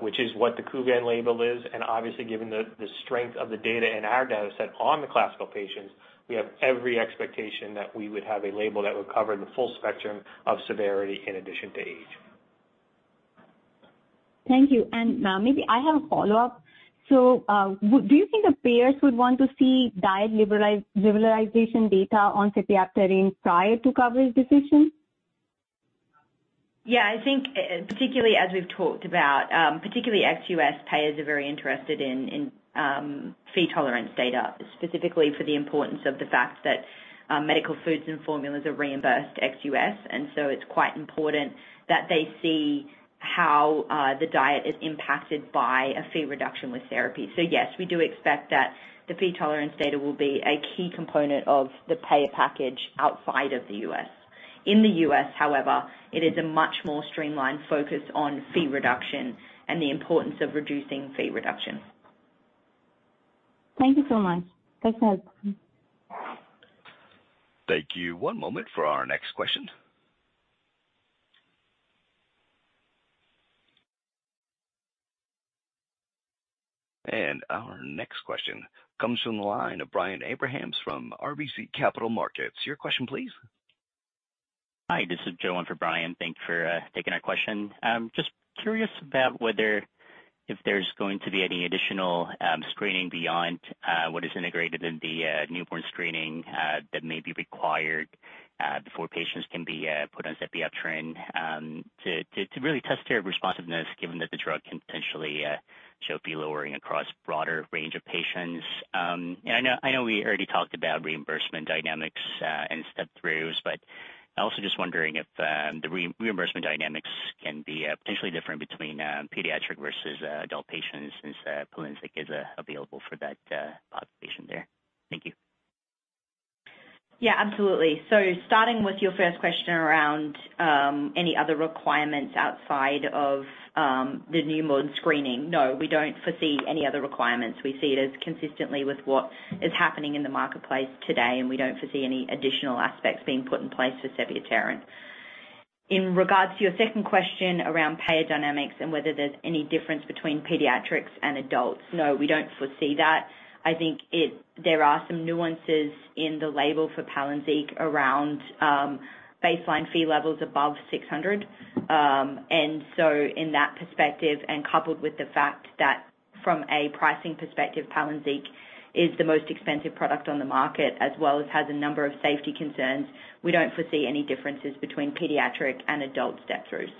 which is what the Kuvan label is, and obviously, given the strength of the data in our data set on the classical patients, we have every expectation that we would have a label that would cover the full spectrum of severity in addition to age. Thank you. Maybe I have a follow-up. Do you think the payers would want to see diet liberalization data on sapropterin prior to coverage decision? I think particularly as we've talked about, particularly ex-U.S. payers are very interested in Phe tolerance data, specifically for the importance of the fact that medical foods and formulas are reimbursed ex-U.S. It's quite important that they see how the diet is impacted by a Phe reduction with therapy. Yes, we do expect that the Phe tolerance data will be a key component of the payer package outside of the U.S. In the U.S., however, it is a much more streamlined focus on Phe reduction and the importance of reducing Phe reduction. Thank you so much. Thanks for helping. Thank you. One moment for our next question. Our next question comes from the line of Brian Abrahams from RBC Capital Markets. Your question, please. for Brian. Thank you for taking our question. Just curious about whether if there's going to be any additional screening beyond what is integrated in the newborn screening that may be required before patients can be put on sepiapterin to really test their responsiveness, given that the drug can potentially show P lowering across broader range of patients. I know we already talked about reimbursement dynamics and step-throughs, but I also just wondering if the reimbursement dynamics can be potentially different between pediatric versus adult patients since Palynziq is available for that population there. Thank you. Starting with your first question around any other requirements outside of the newborn screening, no, we don't foresee any other requirements. We see it as consistently with what is happening in the marketplace today, and we don't foresee any additional aspects being put in place for sepiapterin. In regards to your second question around payer dynamics and whether there's any difference between pediatrics and adults, no, we don't foresee that. I think there are some nuances in the label for Palynziq around baseline fee levels above 600. In that perspective, and coupled with the fact that from a pricing perspective, Palynziq is the most expensive product on the market, as well as has a number of safety concerns. We don't foresee any differences between pediatric and adult step-throughs.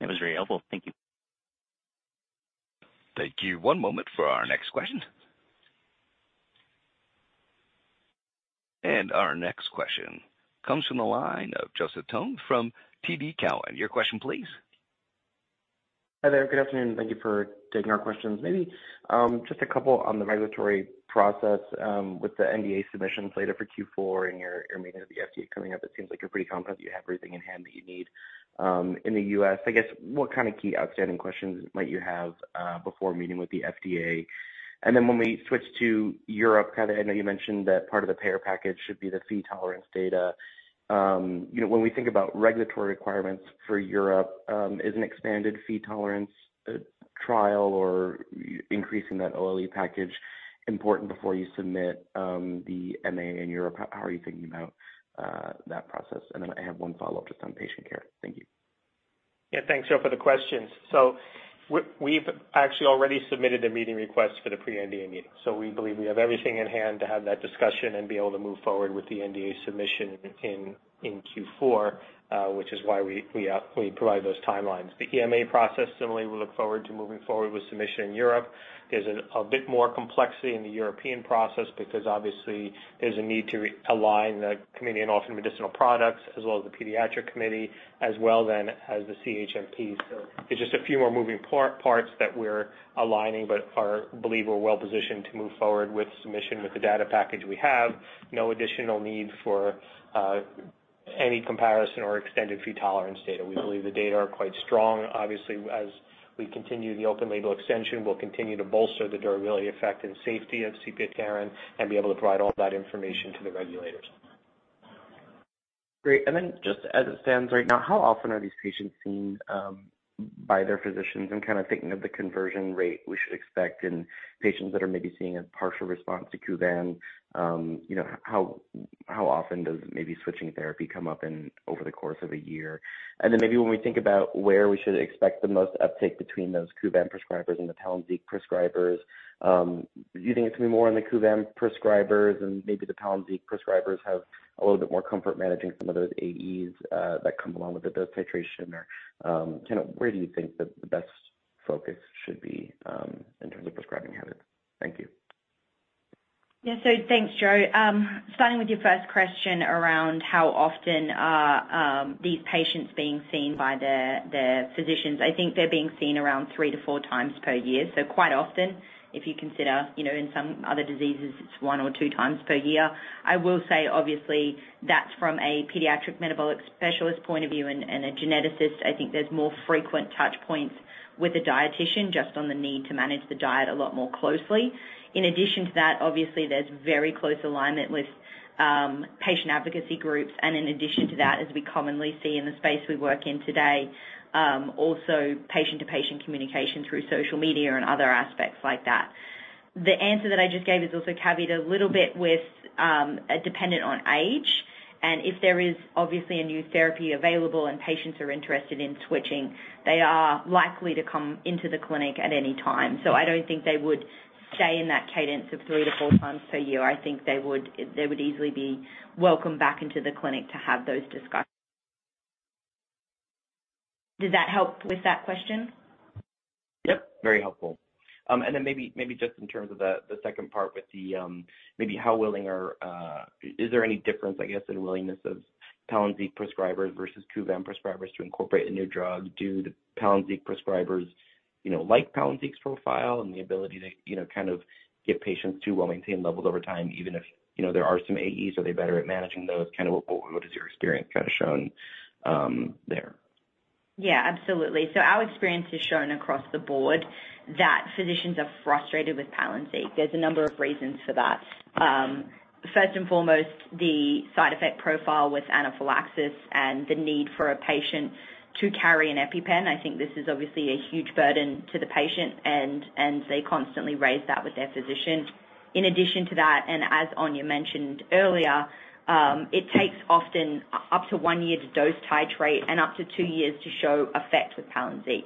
That was very helpful. Thank you. Thank you. One moment for our next question. Our next question comes from the line of Joseph Thome from TD Cowen. Your question, please. Hi there. Good afternoon, thank you for taking our questions. Maybe just a couple on the regulatory process, with the NDA submission slated for Q4 and your meeting with the FDA coming up, it seems like you're pretty confident you have everything in hand that you need in the US. I guess, what kind of key outstanding questions might you have before meeting with the FDA? When we switch to Europe, kind of, I know you mentioned that part of the payer package should be the fee tolerance data. You know, when we think about regulatory requirements for Europe, is an expanded fee tolerance trial or increasing that OLE package important before you submit the MA in Europe? How are you thinking about that process? Then I have one follow-up just on patient care. Thank you. Yeah, thanks, Joe, for the questions. We've actually already submitted a meeting request for the pre-NDA meeting. We believe we have everything in hand to have that discussion and be able to move forward with the NDA submission in Q4, which is why we provide those timelines. The EMA process, similarly, we look forward to moving forward with submission in Europe. There's a bit more complexity in the European process because obviously there's a need to realign the Committee on Medicinal Products, as well as the pediatric committee, as well then as the CHMP. There's just a few more moving parts that we're aligning, but believe we're well positioned to move forward with submission with the data package we have. No additional need for any comparison or extended fee tolerance data. We believe the data are quite strong. As we continue the open label extension, we'll continue to bolster the durability effect and safety of sepiapterin and be able to provide all that information to the regulators. Great. Then just as it stands right now, how often are these patients seen by their physicians? I'm kind of thinking of the conversion rate we should expect in patients that are maybe seeing a partial response to Kuvan. You know, how often does maybe switching therapy come up in over the course of a year? Then maybe when we think about where we should expect the most uptake between those Kuvan prescribers and the Palynziq prescribers, do you think it's gonna be more on the Kuvan prescribers and maybe the Palynziq prescribers have a little bit more comfort managing some of those AEs that come along with the dose titration? Kind of where do you think that the best focus should be in terms of prescribing habits? Thank you. Yeah. Thanks, Joe. Starting with your first question around how often are these patients being seen by their physicians, I think they're being seen around three to four times per year. Quite often, if you consider, you know, in some other diseases, it's one or two times per year. I will say, obviously, that's from a pediatric metabolic specialist point of view and a geneticist. I think there's more frequent touch points with a dietician just on the need to manage the diet a lot more closely. In addition to that, obviously, there's very close alignment with patient advocacy groups. In addition to that, as we commonly see in the space we work in today, also patient-to-patient communication through social media and other aspects like that. The answer that I just gave is also cavied a little bit with, dependent on age. If there is obviously a new therapy available and patients are interested in switching, they are likely to come into the clinic at any time. I don't think they would stay in that cadence of 3 to 4 times per year. They would easily be welcomed back into the clinic to have those discussions. Did that help with that question? Yep, very helpful. Then maybe just in terms of the second part with the, maybe how willing or is there any difference, I guess, in willingness of Palynziq prescribers versus Kuvan prescribers to incorporate a new drug? Do the Palynziq prescribers, you know, like Palynziq's profile and the ability to, you know, kind of get patients to well-maintained levels over time, even if, you know, there are some AEs, are they better at managing those? Kind of what is your experience kind of shown there? Absolutely. Our experience has shown across the board that physicians are frustrated with Palynziq. There's a number of reasons for that. First and foremost, the side effect profile with anaphylaxis and the need for a patient to carry an EpiPen, I think this is obviously a huge burden to the patient, and they constantly raise that with their physician. In addition to that, and as Anya mentioned earlier, it takes often up to 1 year to dose titrate and up to 2 years to show effect with Palynziq.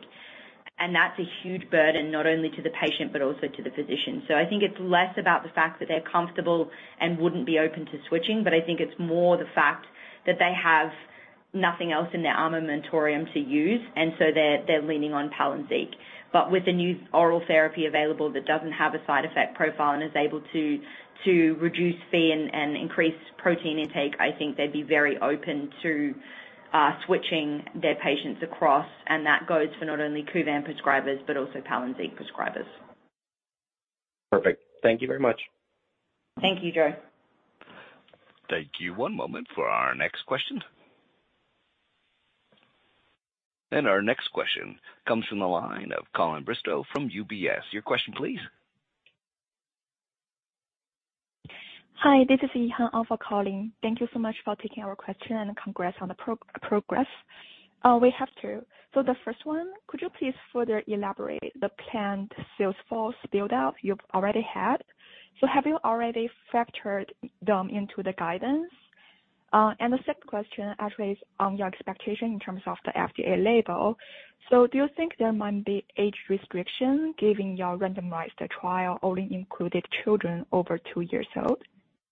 That's a huge burden, not only to the patient, but also to the physician. I think it's less about the fact that they're comfortable and wouldn't be open to switching, but I think it's more the fact that they have nothing else in their armamentorium to use, and so they're leaning on Palynziq. With the new oral therapy available that doesn't have a side effect profile and is able to reduce Phe and increase protein intake, I think they'd be very open to switching their patients across. That goes for not only Kuvan prescribers, but also Palynziq prescribers. Perfect. Thank you very much. Thank you, Joe. Thank you. One moment for our next question. Our next question comes from the line of Colin Bristow from UBS. Your question, please. Hi, this is Yihan on for Colin. Thank you so much for taking our question, congrats on the progress. We have two. The first one, could you please further elaborate the planned sales force build out you've already had? Have you already factored them into the guidance? The second question actually is on your expectation in terms of the FDA label. Do you think there might be age restriction, given your randomized trial only included children over 2 years old?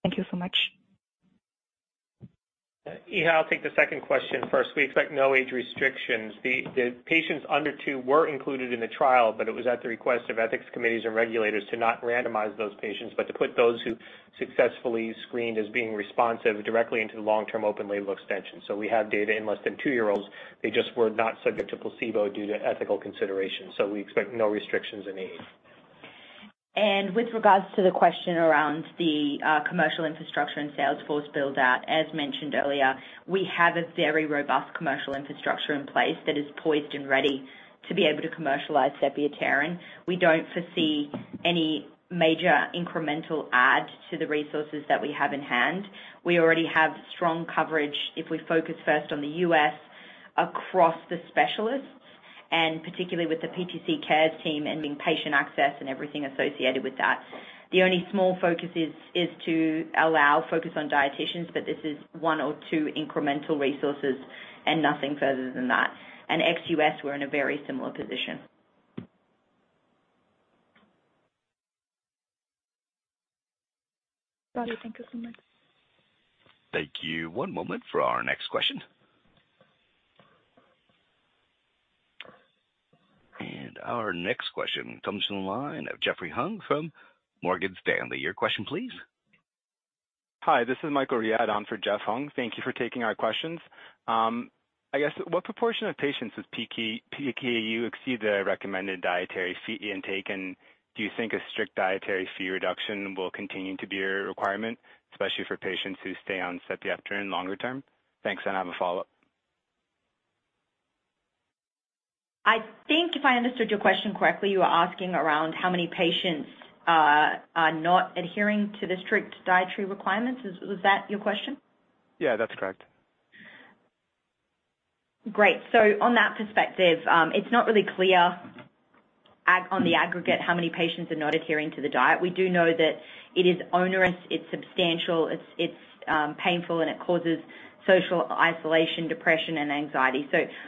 Thank you so much. Yihan, I'll take the second question first. We expect no age restrictions. The patients under two were included in the trial, but it was at the request of ethics committees and regulators to not randomize those patients, but to put those who successfully screened as being responsive directly into the long-term open-label extension. We have data in less than two-year-olds. They just were not subject to placebo due to ethical considerations. We expect no restrictions in age. With regards to the question around the commercial infrastructure and sales force build out, as mentioned earlier, we have a very robust commercial infrastructure in place that is poised and ready to be able to commercialize sepiapterin. We don't foresee any major incremental add to the resources that we have in hand. We already have strong coverage, if we focus first on the U.S., across the specialists, and particularly with the PTC Cares team and in patient access and everything associated with that. The only small focus is to allow focus on dietitians, but this is 1 or 2 incremental resources and nothing further than that. Ex-U.S., we're in a very similar position. Got it. Thank you so much. Thank you. One moment for our next question. Our next question comes from the line of Jeffrey Hung from Morgan Stanley. Your question, please. Hi, this is Michael Riad on for Jeff Hung. Thank you for taking our questions. I guess, what proportion of patients with PKU exceed the recommended dietary Phe intake? Do you think a strict dietary Phe reduction will continue to be a requirement, especially for patients who stay on sepiapterin longer term? Thanks. I have a follow-up. I think if I understood your question correctly, you were asking around how many patients are not adhering to the strict dietary requirements. Was that your question? Yeah, that's correct. On that perspective, it's not really clear on the aggregate how many patients are not adhering to the diet. We do know that it is onerous, it's substantial, it's painful, and it causes social isolation, depression, and anxiety.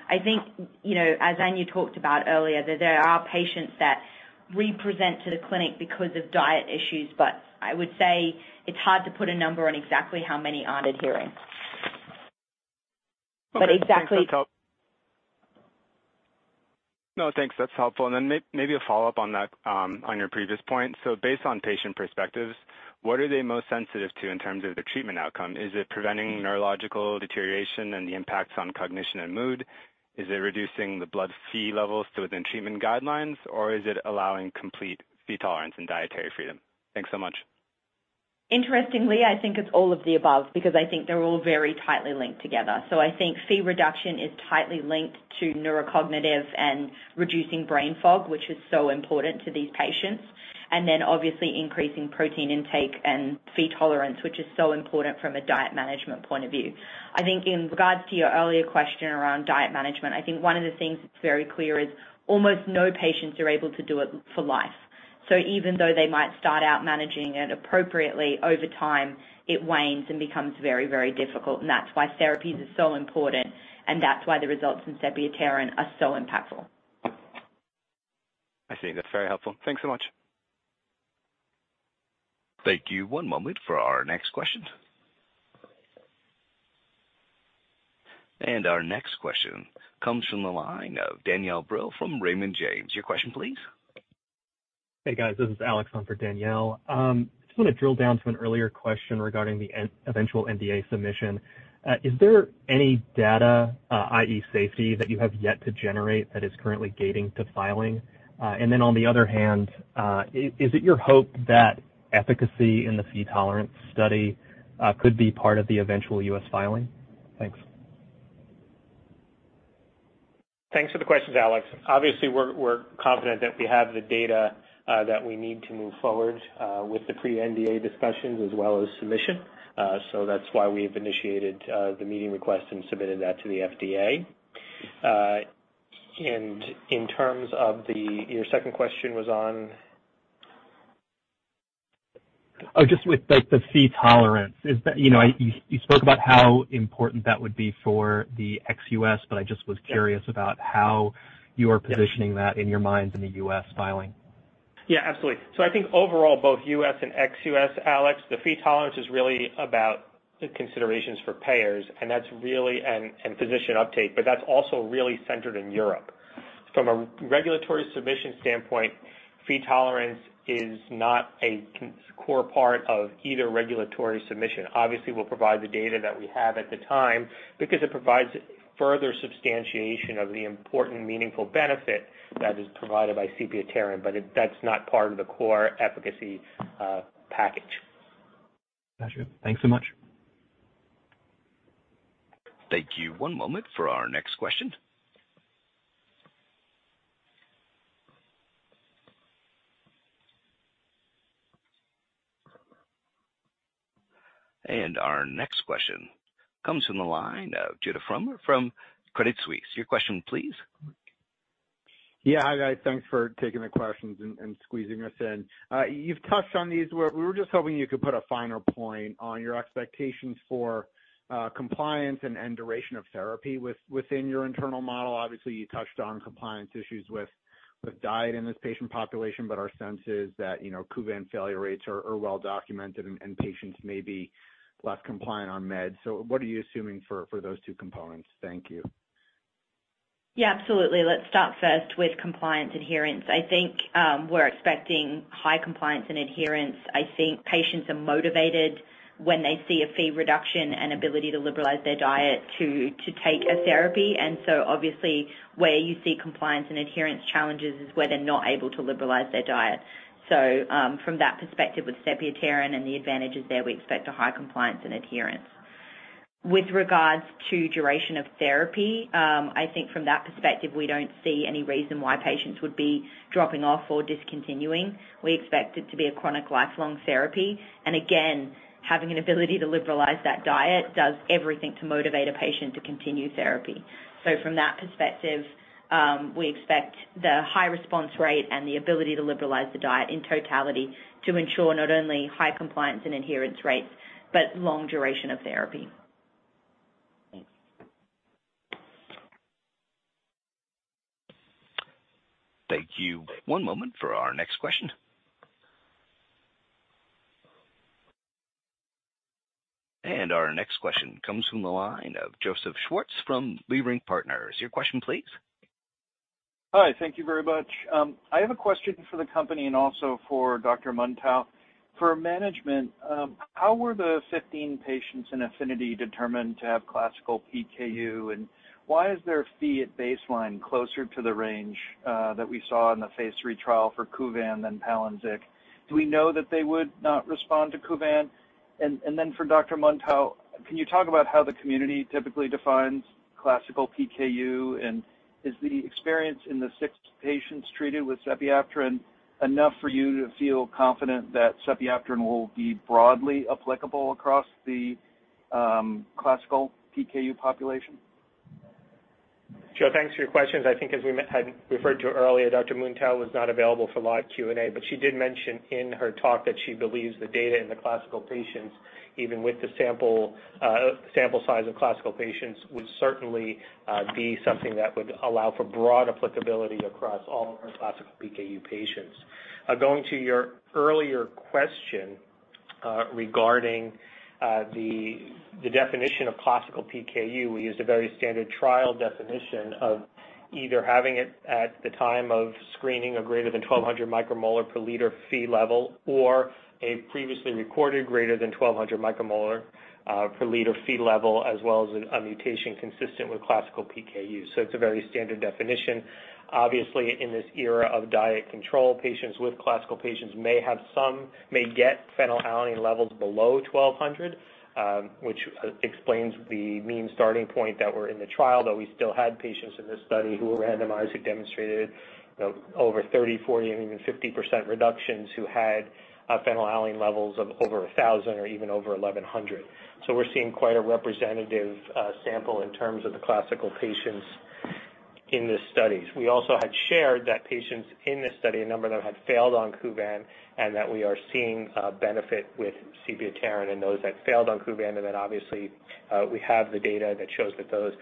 I think, you know, as Anya talked about earlier, that there are patients that represent to the clinic because of diet issues, but I would say it's hard to put a number on exactly how many aren't adhering. No, thanks. That's helpful. Then maybe a follow-up on that, on your previous point. Based on patient perspectives, what are they most sensitive to in terms of the treatment outcome? Is it preventing neurological deterioration and the impacts on cognition and mood? Is it reducing the blood Phe levels to within treatment guidelines, or is it allowing complete Phe tolerance and dietary freedom? Thanks so much. Interestingly, I think it's all of the above, because I think they're all very tightly linked together. I think Phe reduction is tightly linked to neurocognitive and reducing brain fog, which is so important to these patients, and then obviously increasing protein intake and Phe tolerance, which is so important from a diet management point of view. I think in regards to your earlier question around diet management, I think one of the things that's very clear is almost no patients are able to do it for life. Even though they might start out managing it appropriately, over time, it wanes and becomes very, very difficult, and that's why therapies are so important, and that's why the results in sepiapterin are so impactful. I see. That's very helpful. Thanks so much. Thank you. One moment for our next question. Our next question comes from the line of Danielle Brill from Raymond James. Your question, please. Hey, guys, this is Alex on for Danielle. Just want to drill down to an earlier question regarding the eventual NDA submission. Is there any data, i.e., safety, that you have yet to generate that is currently gating to filing? Then on the other hand, is it your hope that efficacy in the Phe tolerance study could be part of the eventual US filing? Thanks. Thanks for the questions, Alex. Obviously, we're confident that we have the data that we need to move forward with the pre-NDA discussions as well as submission. That's why we've initiated the meeting request and submitted that to the FDA. In terms of your second question was on? Oh, just with, like, the Phe tolerance. Is that, you know, you spoke about how important that would be for the ex US, but I just was curious about how you are positioning that in your mind in the U.S. filing? Absolutely. I think overall, both U.S. and ex-U.S., Alex, the Phe tolerance is really about the considerations for payers, and that's really and physician uptake, that's also really centered in Europe. From a regulatory submission standpoint, Phe tolerance is not a core part of either regulatory submission. Obviously, we'll provide the data that we have at the time because it provides further substantiation of the important meaningful benefit that is provided by sepiapterin, that's not part of the core efficacy package. Got you. Thanks so much. Thank you. One moment for our next question. Our next question comes from the line of Judah Frommer from Credit Suisse. Your question, please. Yeah. Hi, guys. Thanks for taking the questions and squeezing us in. You've touched on these, but we were just hoping you could put a finer point on your expectations for compliance and duration of therapy within your internal model. Obviously, you touched on compliance issues with diet in this patient population, but our sense is that, you know, Kuvan failure rates are well documented, and patients may be less compliant on meds. What are you assuming for those two components? Thank you. Yeah, absolutely. Let's start first with compliance adherence. I think we're expecting high compliance and adherence. I think patients are motivated when they see a Phe reduction and ability to liberalize their diet to take a therapy. Obviously, where you see compliance and adherence challenges is where they're not able to liberalize their diet. From that perspective with sepiapterin and the advantages there, we expect a high compliance and adherence. With regards to duration of therapy, I think from that perspective, we don't see any reason why patients would be dropping off or discontinuing. We expect it to be a chronic lifelong therapy, and again, having an ability to liberalize that diet does everything to motivate a patient to continue therapy. From that perspective, we expect the high response rate and the ability to liberalize the diet in totality to ensure not only high compliance and adherence rates, but long duration of therapy. Thanks. Thank you. One moment for our next question. Our next question comes from the line of Joseph Schwartz from Leerink Partners. Your question, please. Hi, thank you very much. I have a question for the company and also for Dr. Muntau. For management, how were the 15 patients in APHENITY determined to have classical PKU, and why is their Phe at baseline closer to the range that we saw in the Phase 3 trial for Kuvan than Palynziq? Do we know that they would not respond to Kuvan? Then for Dr. Muntau, can you talk about how the community typically defines classical PKU? Is the experience in the 6 patients treated with sepiapterin enough for you to feel confident that sepiapterin will be broadly applicable across the classical PKU population? Joe, thanks for your questions. I think as we had referred to earlier, Dr. Muntau was not available for live Q&A, but she did mention in her talk that she believes the data in the classical patients, even with the sample size of classical patients, would certainly be something that would allow for broad applicability across all of our classical PKU patients. Going to your earlier question, regarding the definition of classical PKU, we used a very standard trial definition of either having it at the time of screening of greater than 1,200 micromolar per liter Phe level or a previously recorded greater than 1,200 micromolar per liter Phe level, as well as a mutation consistent with classical PKU. It's a very standard definition. Obviously, in this era of diet control, patients with classical patients may get phenylalanine levels below 1,200, which explains the mean starting point that were in the trial, but we still had patients in this study who were randomized, who demonstrated, you know, over 30%, 40%, and even 50% reductions, who had phenylalanine levels of over 1,000 or even over 1,100. We're seeing quite a representative sample in terms of the classical patients in this study. We also had shared that patients in this study, a number of them had failed on Kuvan, that we are seeing a benefit with sepiapterin in those that failed on Kuvan. obviously, we have the data that shows that those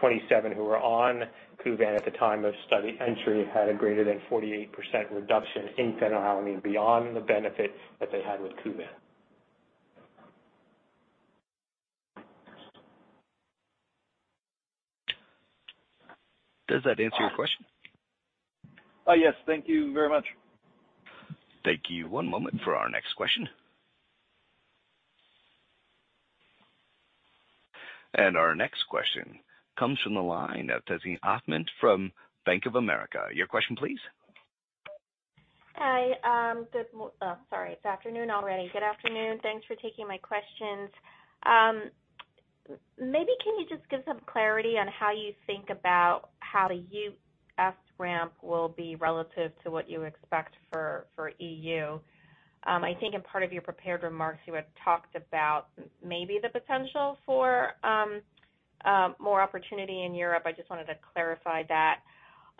27 who were on Kuvan at the time of study entry had a greater than 48% reduction in phenylalanine beyond the benefit that they had with Kuvan. Does that answer your question? yes. Thank you very much. Thank you. One moment for our next question. Our next question comes from the line of Tazeen Ahmad from Bank of America. Your question, please? Hi, good afternoon. Thanks for taking my questions. Maybe can you just give some clarity on how you think about how the US ramp will be relative to what you expect for EU? I think in part of your prepared remarks, you had talked about maybe the potential for more opportunity in Europe. I just wanted to clarify that.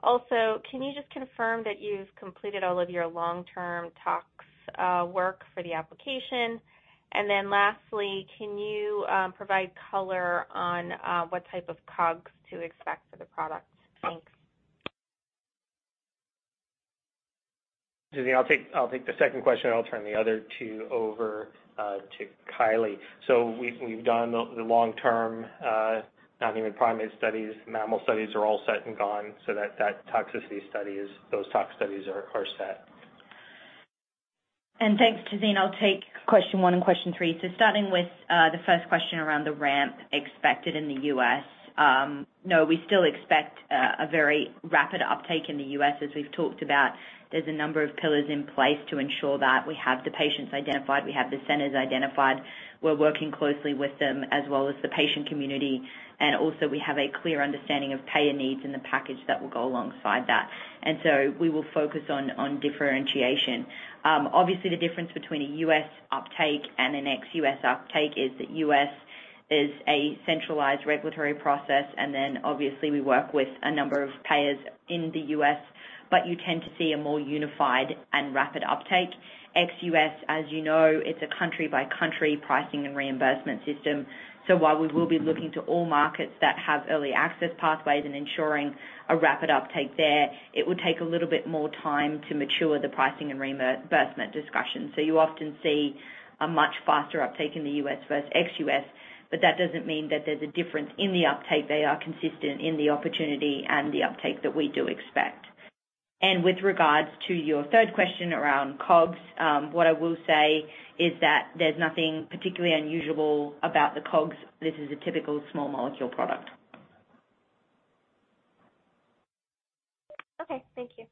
Also, can you just confirm that you've completed all of your long-term tox work for the application? Lastly, can you provide color on what type of COGS to expect for the product? Thanks. Tazeen, I'll take the second question, I'll turn the other two over to Kylie. We've done the long-term non-human primate studies. Mammal studies are all set and gone, so that toxicity study is, those tox studies are set. Thanks, Tazeen. I'll take question 1 and question 3. Starting with the 1st question around the ramp expected in the U.S. No, we still expect a very rapid uptake in the U.S. As we've talked about, there's a number of pillars in place to ensure that. We have the patients identified, we have the centers identified. We're working closely with them, as well as the patient community, and also we have a clear understanding of payer needs and the package that will go alongside that. We will focus on differentiation. Obviously, the difference between a U.S. uptake and an ex-U.S. uptake is that U.S. is a centralized regulatory process, and then obviously, we work with a number of payers in the U.S., but you tend to see a more unified and rapid uptake. ex-U.S., as you know, it's a country-by-country pricing and reimbursement system. While we will be looking to all markets that have early access pathways and ensuring a rapid uptake there, it will take a little bit more time to mature the pricing and reimbursement discussion. You often see a much faster uptake in the U.S. versus ex-U.S., but that doesn't mean that there's a difference in the uptake. They are consistent in the opportunity and the uptake that we do expect. With regards to your third question around COGS, what I will say is that there's nothing particularly unusual about the COGS. This is a typical small molecule product. Okay, thank you.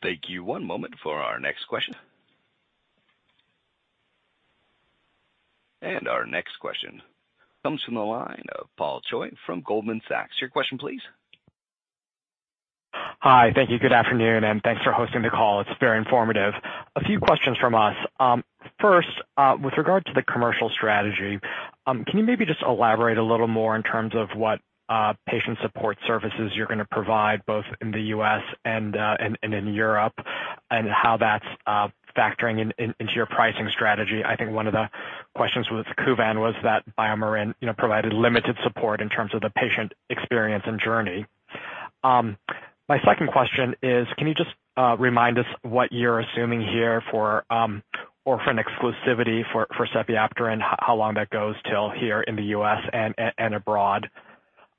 Thank you. One moment for our next question. Our next question comes from the line of Paul Choi from Goldman Sachs. Your question please. Hi. Thank you. Good afternoon, and thanks for hosting the call. It's very informative. A few questions from us. First, with regard to the commercial strategy, can you maybe just elaborate a little more in terms of what patient support services you're gonna provide, both in the US and in Europe, and how that's factoring into your pricing strategy? I think one of the questions with Kuvan was that bioMérieux, you know, provided limited support in terms of the patient experience and journey. My second question is, can you just remind us what you're assuming here for orphan exclusivity for sepiapterin, how long that goes till here in the US and abroad?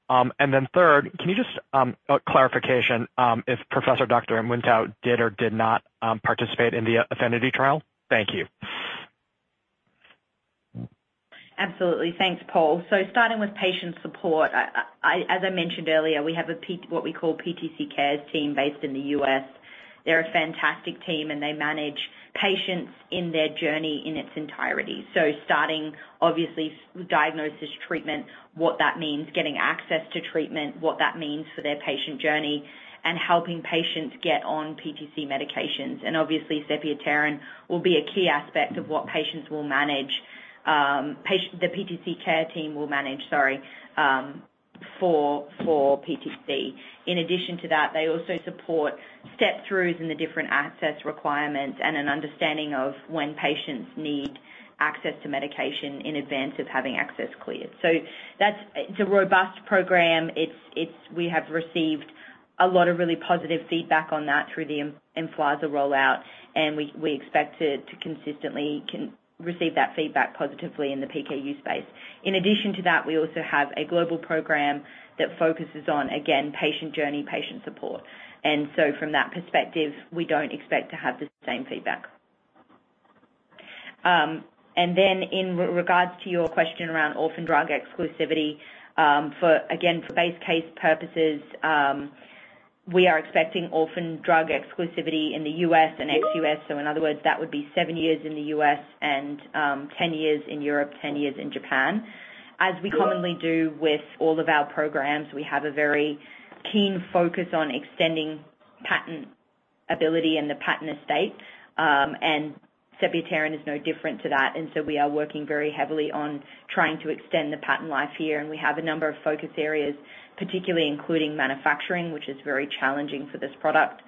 Then third, can you just a clarification, if Professor Dr. Muntoni did or did not participate in the APHENITY trial? Thank you. Absolutely. Thanks, Paul. Starting with patient support, I, as I mentioned earlier, we have what we call PTC Cares team based in the U.S. They're a fantastic team, they manage patients in their journey in its entirety. Starting obviously with diagnosis, treatment, what that means, getting access to treatment, what that means for their patient journey, and helping patients get on PTC medications. Obviously, sepiapterin will be a key aspect of what patients will manage, the PTC Cares team will manage, sorry, for PTC. In addition to that, they also support step-throughs in the different access requirements and an understanding of when patients need access to medication in advance of having access cleared. That's, it's a robust program. It's, we have received a lot of really positive feedback on that through the Emflaza rollout, and we expect to consistently receive that feedback positively in the PKU space. In addition to that, we also have a global program that focuses on, again, patient journey, patient support. From that perspective, we don't expect to have the same feedback. Then in regards to your question around orphan drug exclusivity, for, again, for base case purposes, we are expecting orphan drug exclusivity in the U.S. and ex-U.S. So in other words, that would be 7 years in the U.S. and 10 years in Europe, 10 years in Japan. As we commonly do with all of our programs, we have a very keen focus on extending patent ability and the patent estate, sepiapterin is no different to that. We are working very heavily on trying to extend the patent life here, and we have a number of focus areas, particularly including manufacturing, which is very challenging for this product.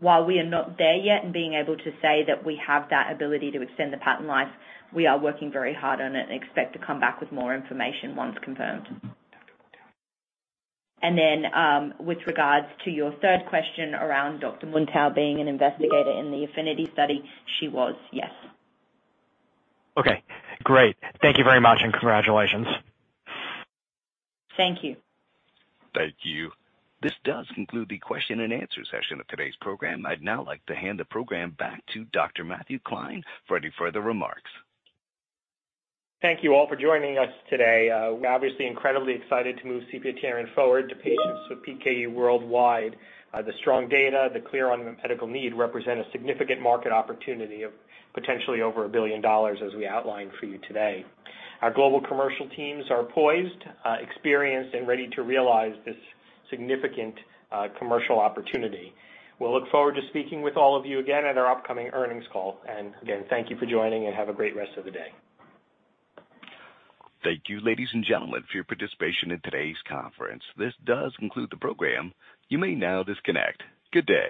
While we are not there yet in being able to say that we have that ability to extend the patent life, we are working very hard on it and expect to come back with more information once confirmed. With regards to your third question around Dr. Muntoni being an investigator in the APHENITY study, she was, yes. Okay, great. Thank you very much, and congratulations. Thank you. Thank you. This does conclude the question and answer session of today's program. I'd now like to hand the program back to Dr. Matthew Klein for any further remarks. Thank you all for joining us today. We're obviously incredibly excited to move sepiapterin forward to patients with PKU worldwide. The strong data, the clear unmet medical need, represent a significant market opportunity of potentially over $1 billion, as we outlined for you today. Our global commercial teams are poised, experienced, and ready to realize this significant commercial opportunity. We'll look forward to speaking with all of you again at our upcoming earnings call. Again, thank you for joining, and have a great rest of the day. Thank you, ladies and gentlemen, for your participation in today's conference. This does conclude the program. You may now disconnect. Good day.